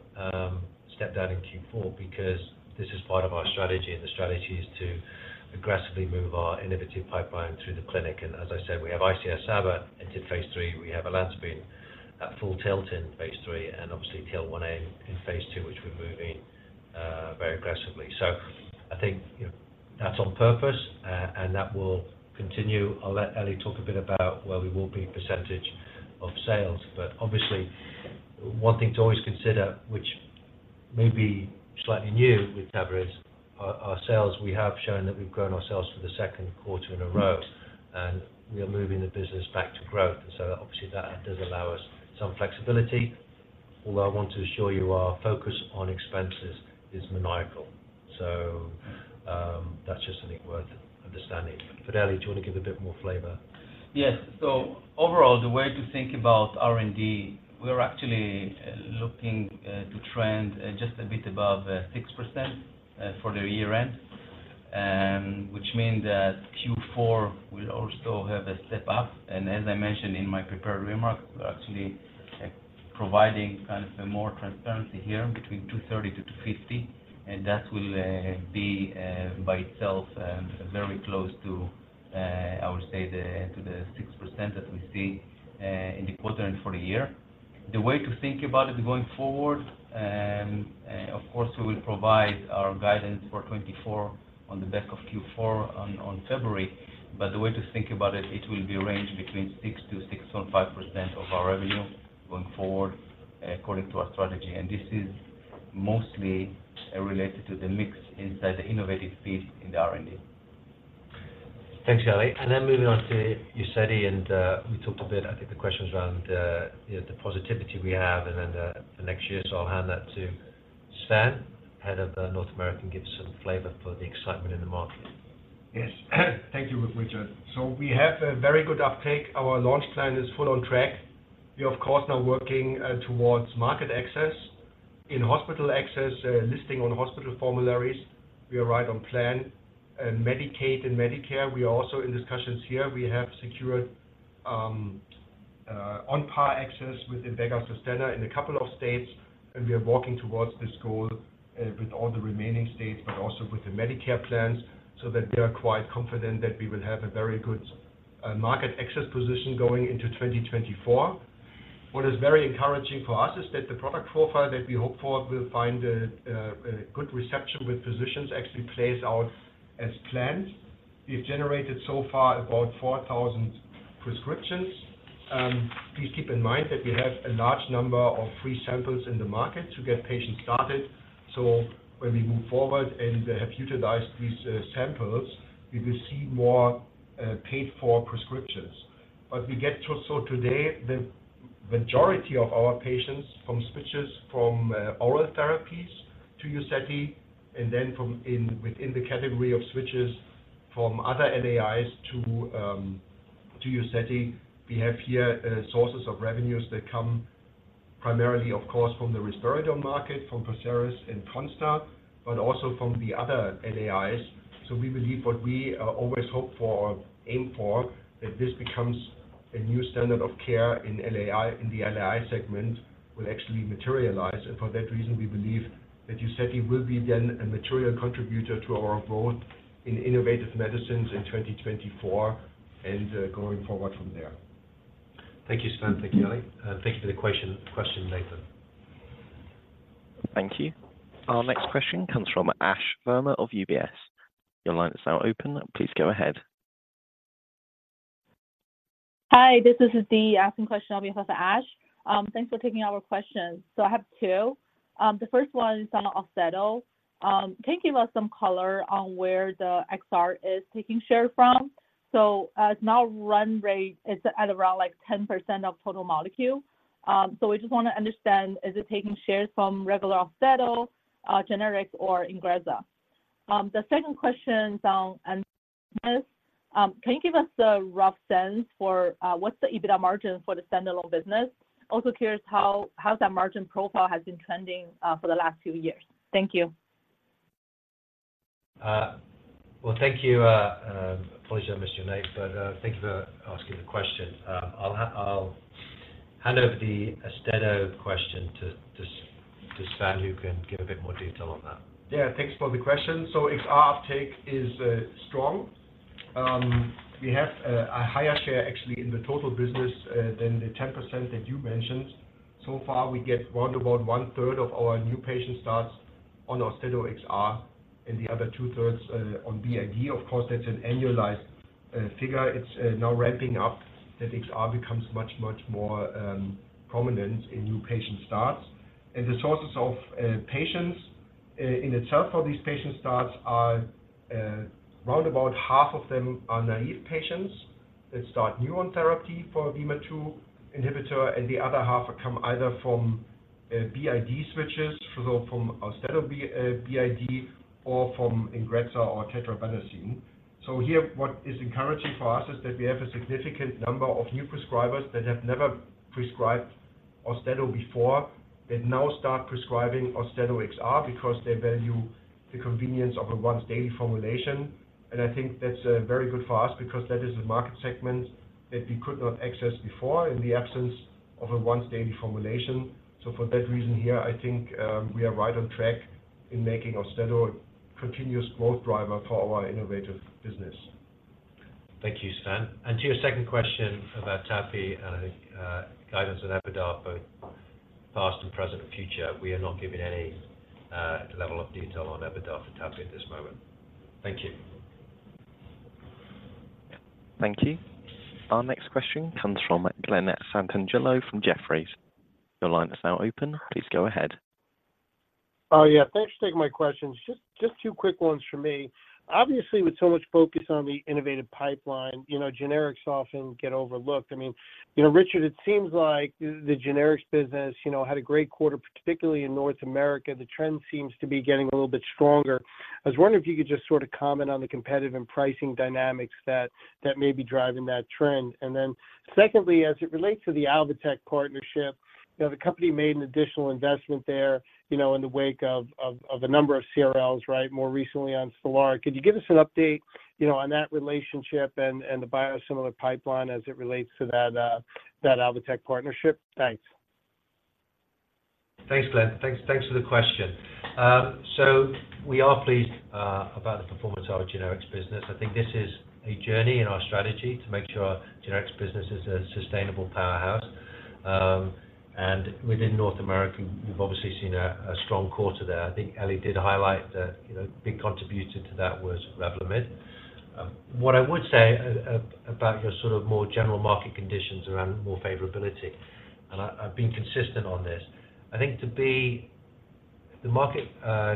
step-down in Q4 because this is part of our strategy, and the strategy is to aggressively move our innovative pipeline through the clinic. And as I said, we have ICS/SABA into phase III. We have olanzapine at full tilt in phase III, and obviously TL1A in phase II, which we're moving very aggressively. So I think, you know, that's on purpose, and that will continue. I'll let Eli talk a bit about where we will be in percentage of sales, but obviously, one thing to always consider, which may be slightly new with Teva's, our sales. We have shown that we've grown our sales for the second quarter in a row, and we are moving the business back to growth. So obviously, that does allow us some flexibility, although I want to assure you our focus on expenses is maniacal. That's just, I think, worth understanding. But, Eli, do you want to give a bit more flavor? Yes. So overall, the way to think about R&D, we're actually looking to trend just a bit above 6% for the year end, which means that Q4 will also have a step up. And as I mentioned in my prepared remarks, we're actually providing kind of some more transparency here between $230-$250, and that will be by itself very close to, I would say the, to the 6% that we see in the quarter and for the year. The way to think about it going forward, of course, we will provide our guidance for 2024 on the back of Q4 on, on February. The way to think about it, it will be a range between 6%-6.5% of our revenue going forward, according to our strategy. This is mostly related to the mix inside the innovative field in the R&D. Thanks, Eli. And then moving on to UZEDY, and, we talked a bit, I think the questions around, you know, the positivity we have and then, for next year. So I'll hand that to Sven, head of North America, and give some flavor for the excitement in the market. Yes. Thank you, Richard. So we have a very good uptake. Our launch plan is full on track. We are, of course, now working towards market access. In hospital access, listing on hospital formularies, we are right on plan. In Medicaid and Medicare, we are also in discussions here. We have secured on-par access with the Invega Sustenna in a couple of states, and we are working towards this goal with all the remaining states, but also with the Medicare plans, so that we are quite confident that we will have a very good market access position going into 2024. What is very encouraging for us is that the product profile that we hope for will find a good reception with physicians actually plays out as planned. We've generated so far about 4,000 prescriptions. Please keep in mind that we have a large number of free samples in the market to get patients started. So when we move forward and have utilized these samples, we will see more paid-for prescriptions. But we get to - So today, the majority of our patients from switches from oral therapies to UZEDY, and then from within the category of switches from other LAIs to UZEDY, we have here sources of revenues that come primarily, of course, from the risperidone market, from Perseris and Consta, but also from the other LAIs. So we believe what we always hope for or aim for, that this becomes a new standard of care in LAI. In the LAI segment will actually materialize. For that reason, we believe that Uzedy will be then a material contributor to our growth in innovative medicines in 2024 and going forward from there. Thank you, Sven. Thank you, Eli. Thank you for the question, Nathan. Thank you. Our next question comes from Ash Verma of UBS. Your line is now open. Please go ahead. Hi, this is Dee asking question on behalf of Ash. Thanks for taking our questions. So I have two. The first one is on AUSTEDO. Can you give us some color on where the XR is taking share from? So, it's now run rate is at around, like, 10% of total molecule. So we just want to understand, is it taking shares from regular AUSTEDO, generics or Ingrezza? The second question, and can you give us a rough sense for, what's the EBITDA margin for the standalone business? Also curious how that margin profile has been trending, for the last few years. Thank you. Well, thank you. Apologies I missed your name, but thank you for asking the question. I'll hand over the AUSTEDO question to Sven, who can give a bit more detail on that. Yeah, thanks for the question. So XR uptake is strong. We have a higher share actually in the total business than the 10% that you mentioned. So far, we get round about one third of our new patient starts on AUSTEDO XR, and the other two thirds on BID. Of course, that's an annualized figure. It's now ramping up, that XR becomes much, much more prominent in new patient starts. And the sources of patients in itself for these patient starts are round about half of them are naive patients that start new on therapy for VMAT2 inhibitor, and the other half come either from BID switches, so from AUSTEDO BID or from Ingrezza or tetrabenazine. So here, what is encouraging for us is that we have a significant number of new prescribers that have never prescribed AUSTEDO before, that now start prescribing AUSTEDO XR because they value the convenience of a once-daily formulation. And I think that's very good for us because that is a market segment that we could not access before in the absence of a once-daily formulation. So for that reason here, I think, we are right on track in making AUSTEDO a continuous growth driver for our innovative business. Thank you, Sven. To your second question about TAPI and guidance on EBITDA, both past and present and future, we are not giving any level of detail on EBITDA for TAPI at this moment. Thank you. Thank you. Our next question comes from Glenn Santangelo from Jefferies. Your line is now open. Please go ahead. Oh, yeah. Thanks for taking my questions. Just two quick ones for me. Obviously, with so much focus on the innovative pipeline, you know, generics often get overlooked. I mean, you know, Richard, it seems like the generics business, you know, had a great quarter, particularly in North America. The trend seems to be getting a little bit stronger. I was wondering if you could just sort of comment on the competitive and pricing dynamics that may be driving that trend. And then secondly, as it relates to the Alvotech partnership, you know, the company made an additional investment there, you know, in the wake of a number of CRLs, right, more recently on Stelara. Could you give us an update, you know, on that relationship and the biosimilar pipeline as it relates to that Alvotech partnership? Thanks. Thanks, Glenn. Thanks, thanks for the question. So we are pleased about the performance of our generics business. I think this is a journey in our strategy to make sure our generics business is a sustainable powerhouse. And within North America, we've obviously seen a strong quarter there. I think Eli did highlight that, you know, big contribution to that was Revlimid. What I would say about your sort of more general market conditions around more favorability, and I've been consistent on this. I think to be... The market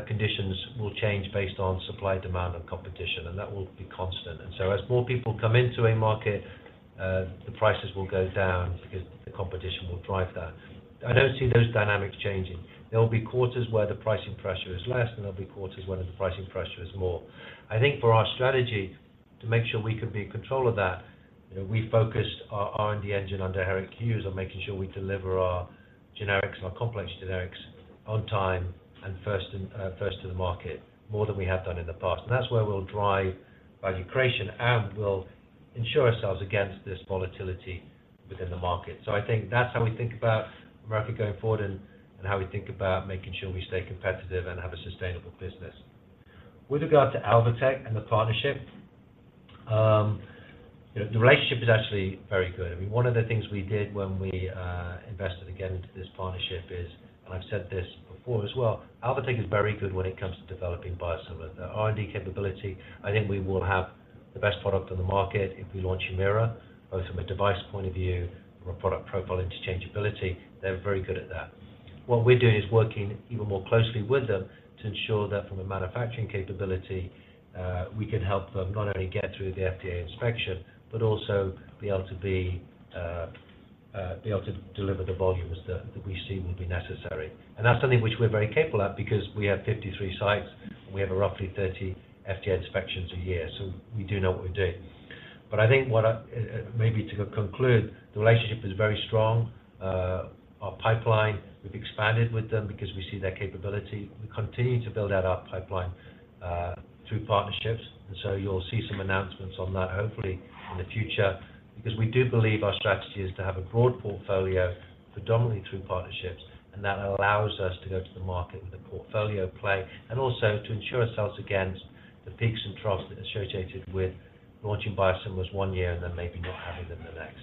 conditions will change based on supply, demand, and competition, and that will be constant. And so as more people come into a market, the prices will go down because the competition will drive that. I don't see those dynamics changing. There will be quarters where the pricing pressure is less, and there'll be quarters where the pricing pressure is more. I think for our strategy, to make sure we can be in control of that, you know, we focused our R&D engine under Eric Hughes on making sure we deliver our generics and our complex generics on time and first in, first to the market, more than we have done in the past. And that's where we'll drive value creation, and we'll ensure ourselves against this volatility within the market. So I think that's how we think about America going forward and, and how we think about making sure we stay competitive and have a sustainable business. With regard to Alvotech and the partnership, you know, the relationship is actually very good. I mean, one of the things we did when we invested again into this partnership is, and I've said this before as well, Alvotech is very good when it comes to developing biosimilar, their R&D capability. I think we will have the best product on the market if we launch Humira, both from a device point of view, from a product profile interchangeability. They're very good at that. What we're doing is working even more closely with them to ensure that from a manufacturing capability, we can help them not only get through the FDA inspection, but also be able to be able to deliver the volumes that we see will be necessary. And that's something which we're very capable at because we have 53 sites, and we have roughly 30 FDA inspections a year. So we do know what we're doing. But I think what I maybe to conclude, the relationship is very strong. Our pipeline, we've expanded with them because we see their capability. We continue to build out our pipeline through partnerships, and so you'll see some announcements on that, hopefully, in the future. Because we do believe our strategy is to have a broad portfolio, predominantly through partnerships, and that allows us to go to the market with a portfolio play and also to ensure ourselves against the peaks and troughs that are associated with launching biosimilars one year and then maybe not having them the next.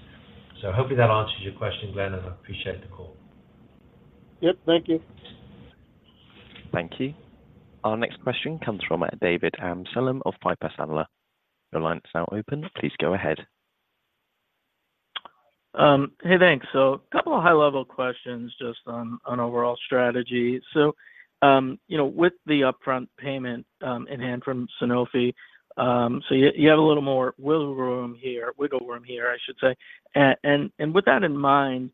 So hopefully that answers your question, Glenn, and I appreciate the call. Yep, thank you. Thank you. Our next question comes from David Amsellem of Piper Sandler. Your line is now open. Please go ahead. Hey, thanks. So a couple of high-level questions just on overall strategy. So, you know, with the upfront payment in hand from Sanofi, so you have a little more wiggle room here, wiggle room here, I should say. And, with that in mind,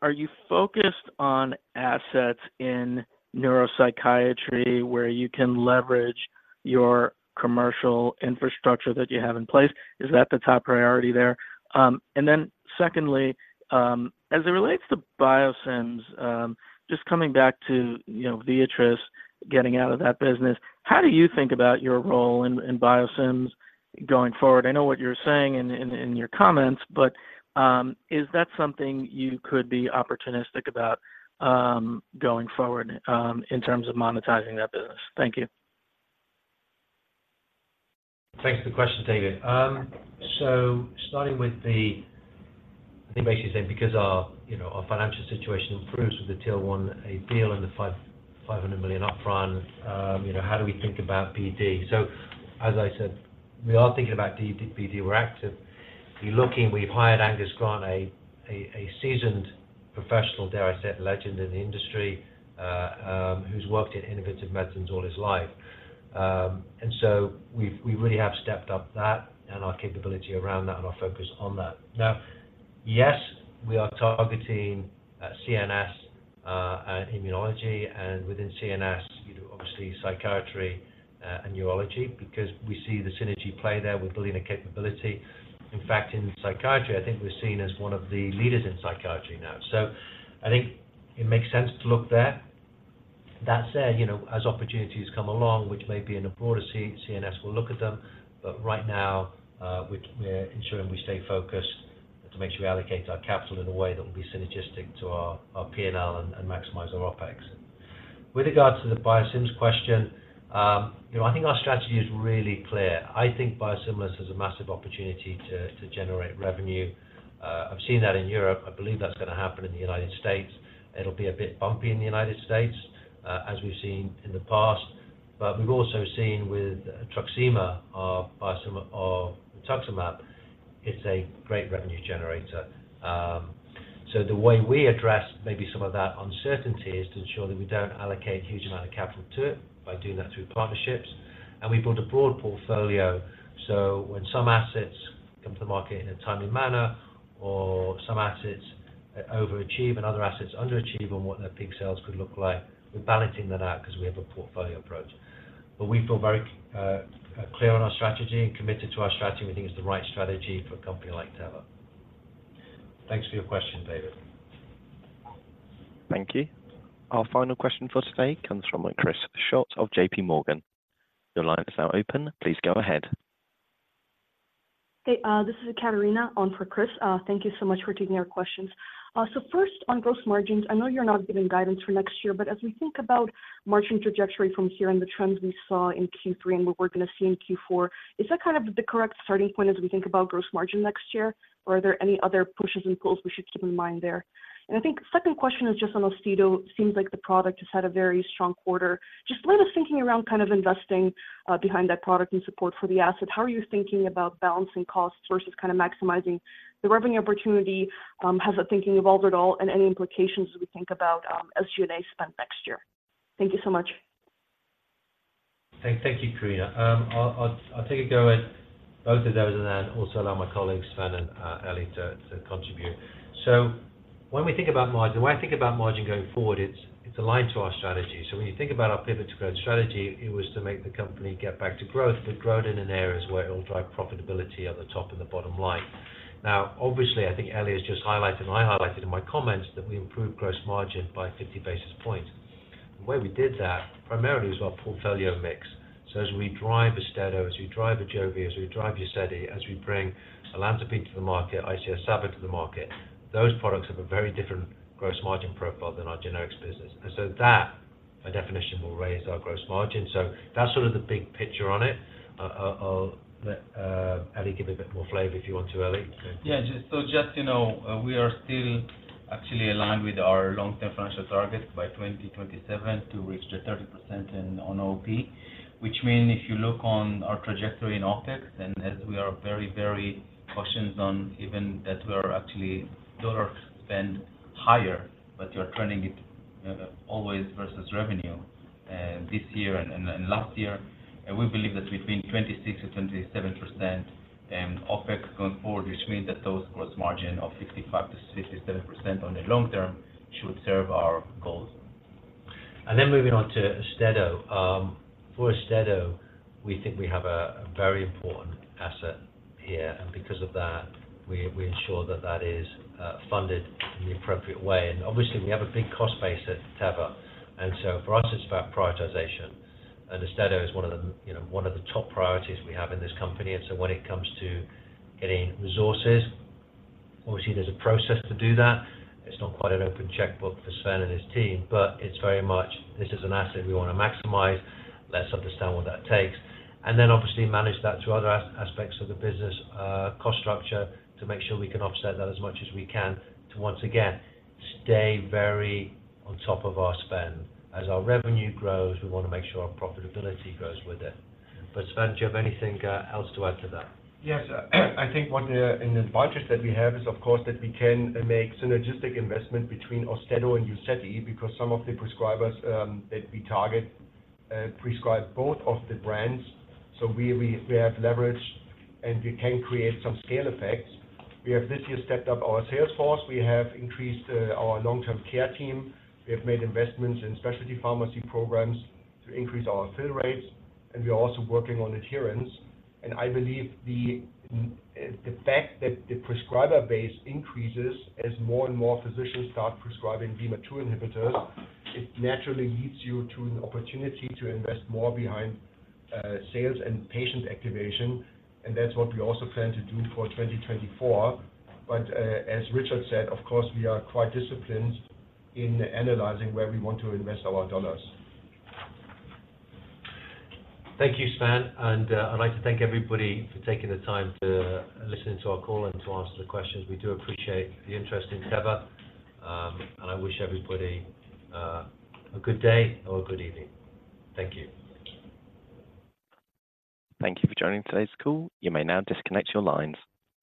are you focused on assets in neuropsychiatry where you can leverage your commercial infrastructure that you have in place? Is that the top priority there? And then secondly, as it relates to biosims, just coming back to, you know, Viatris getting out of that business, how do you think about your role in biosims going forward? I know what you're saying in your comments, but, is that something you could be opportunistic about, going forward, in terms of monetizing that business? Thank you. Thanks for the question, David. So starting with the—I think basically saying, because our, you know, our financial situation improves with the TL1A deal and the $500 million upfront, you know, how do we think about PD? So as I said, we are thinking about PD. We're active. We're looking. We've hired Angus Grant, a seasoned professional, dare I say, a legend in the industry, who's worked in innovative medicines all his life. And so we've really have stepped up that and our capability around that and our focus on that. Now, yes, we are targeting CNS and immunology, and within CNS, you know, obviously, psychiatry and neurology, because we see the synergy play there with building a capability. In fact, in psychiatry, I think we're seen as one of the leaders in psychiatry now. So I think it makes sense to look there. That said, you know, as opportunities come along, which may be in a broader CNS, we'll look at them, but right now, we're ensuring we stay focused to make sure we allocate our capital in a way that will be synergistic to our P&L and maximize our OpEx. With regards to the biosims question, you know, I think our strategy is really clear. I think biosimilars is a massive opportunity to generate revenue. I've seen that in Europe. I believe that's going to happen in the United States. It'll be a bit bumpy in the United States, as we've seen in the past, but we've also seen with Truxima, our biosim, our rituximab, it's a great revenue generator. So the way we address maybe some of that uncertainty is to ensure that we don't allocate huge amount of capital to it by doing that through partnerships. And we build a broad portfolio, so when some assets come to the market in a timely manner, or some assets overachieve and other assets underachieve on what their peak sales could look like, we're balancing that out because we have a portfolio approach. But we feel very, clear on our strategy and committed to our strategy. We think it's the right strategy for a company like Teva. Thanks for your question, David. Thank you. Our final question for today comes from Chris Schott of JP Morgan. Your line is now open. Please go ahead. Hey, this is Karina on for Chris. Thank you so much for taking our questions. So first, on gross margins, I know you're not giving guidance for next year, but as we think about margin trajectory from here and the trends we saw in Q3 and what we're going to see in Q4, is that kind of the correct starting point as we think about gross margin next year, or are there any other pushes and pulls we should keep in mind there? I think second question is just on AUSTEDO. It seems like the product just had a very strong quarter. Just a little thinking around kind of investing behind that product and support for the asset. How are you thinking about balancing costs versus kind of maximizing the revenue opportunity? Has that thinking evolved at all, and any implications as we think about SG&A spend next year? Thank you so much. Thank you, Karina. I'll take a go at both of those and then also allow my colleagues, Sven and Eli, to contribute. So when we think about margin, when I think about margin going forward, it's aligned to our strategy. So when you think about our Pivot to Grow strategy, it was to make the company get back to growth, but growth in areas where it will drive profitability on the top and the bottom line. Now, obviously, I think Eli has just highlighted, and I highlighted in my comments, that we improved gross margin by 50 basis points. The way we did that primarily is our portfolio mix. So as we drive AUSTEDO, as we drive AJOVY, as we drive UZEDY, as we bring SIMLANDI to the market, ICS/SABA to the market, those products have a very different gross margin profile than our generics business. And so that, by definition, will raise our gross margin. So that's sort of the big picture on it. I'll let Eli give a bit more flavor if you want to, Eli. Yeah, just so you know, we are still actually aligned with our long-term financial targets by 2027 to reach the 30% in, on OP, which mean if you look on our trajectory in OpEx, and as we are very, very cautious on even that we're actually dollar spend higher, but you're turning it, always versus revenue, this year and, and, and last year. And we believe that between 26%-27% and OpEx going forward, which means that those gross margin of 55%-67% on the long term should serve our goals.... And then moving on to AUSTEDO. For AUSTEDO, we think we have a very important asset here, and because of that, we ensure that is funded in the appropriate way. And obviously, we have a big cost base at Teva, and so for us, it's about prioritization. And AUSTEDO is one of the, you know, one of the top priorities we have in this company. And so when it comes to getting resources, obviously, there's a process to do that. It's not quite an open checkbook for Sven and his team, but it's very much, "This is an asset we want to maximize. Let's understand what that takes." And then obviously manage that to other aspects of the business, cost structure, to make sure we can offset that as much as we can to, once again, stay very on top of our spend. As our revenue grows, we want to make sure our profitability grows with it. But Sven, do you have anything else to add to that? Yes, I think one, an advantage that we have is, of course, that we can make synergistic investment between AUSTEDO and UZEDY, because some of the prescribers, that we target, prescribe both of the brands. So we, we, we have leverage, and we can create some scale effects. We have this year stepped up our sales force. We have increased, our long-term care team. We have made investments in specialty pharmacy programs to increase our fill rates, and we are also working on adherence. And I believe the, the fact that the prescriber base increases as more and more physicians start prescribing VMAT2 inhibitors, it naturally leads you to an opportunity to invest more behind, sales and patient activation, and that's what we also plan to do for 2024. As Richard said, of course, we are quite disciplined in analyzing where we want to invest our dollars. Thank you, Sven, and I'd like to thank everybody for taking the time to listen to our call and to ask the questions. We do appreciate the interest in Teva, and I wish everybody a good day or a good evening. Thank you. Thank you for joining today's call. You may now disconnect your lines.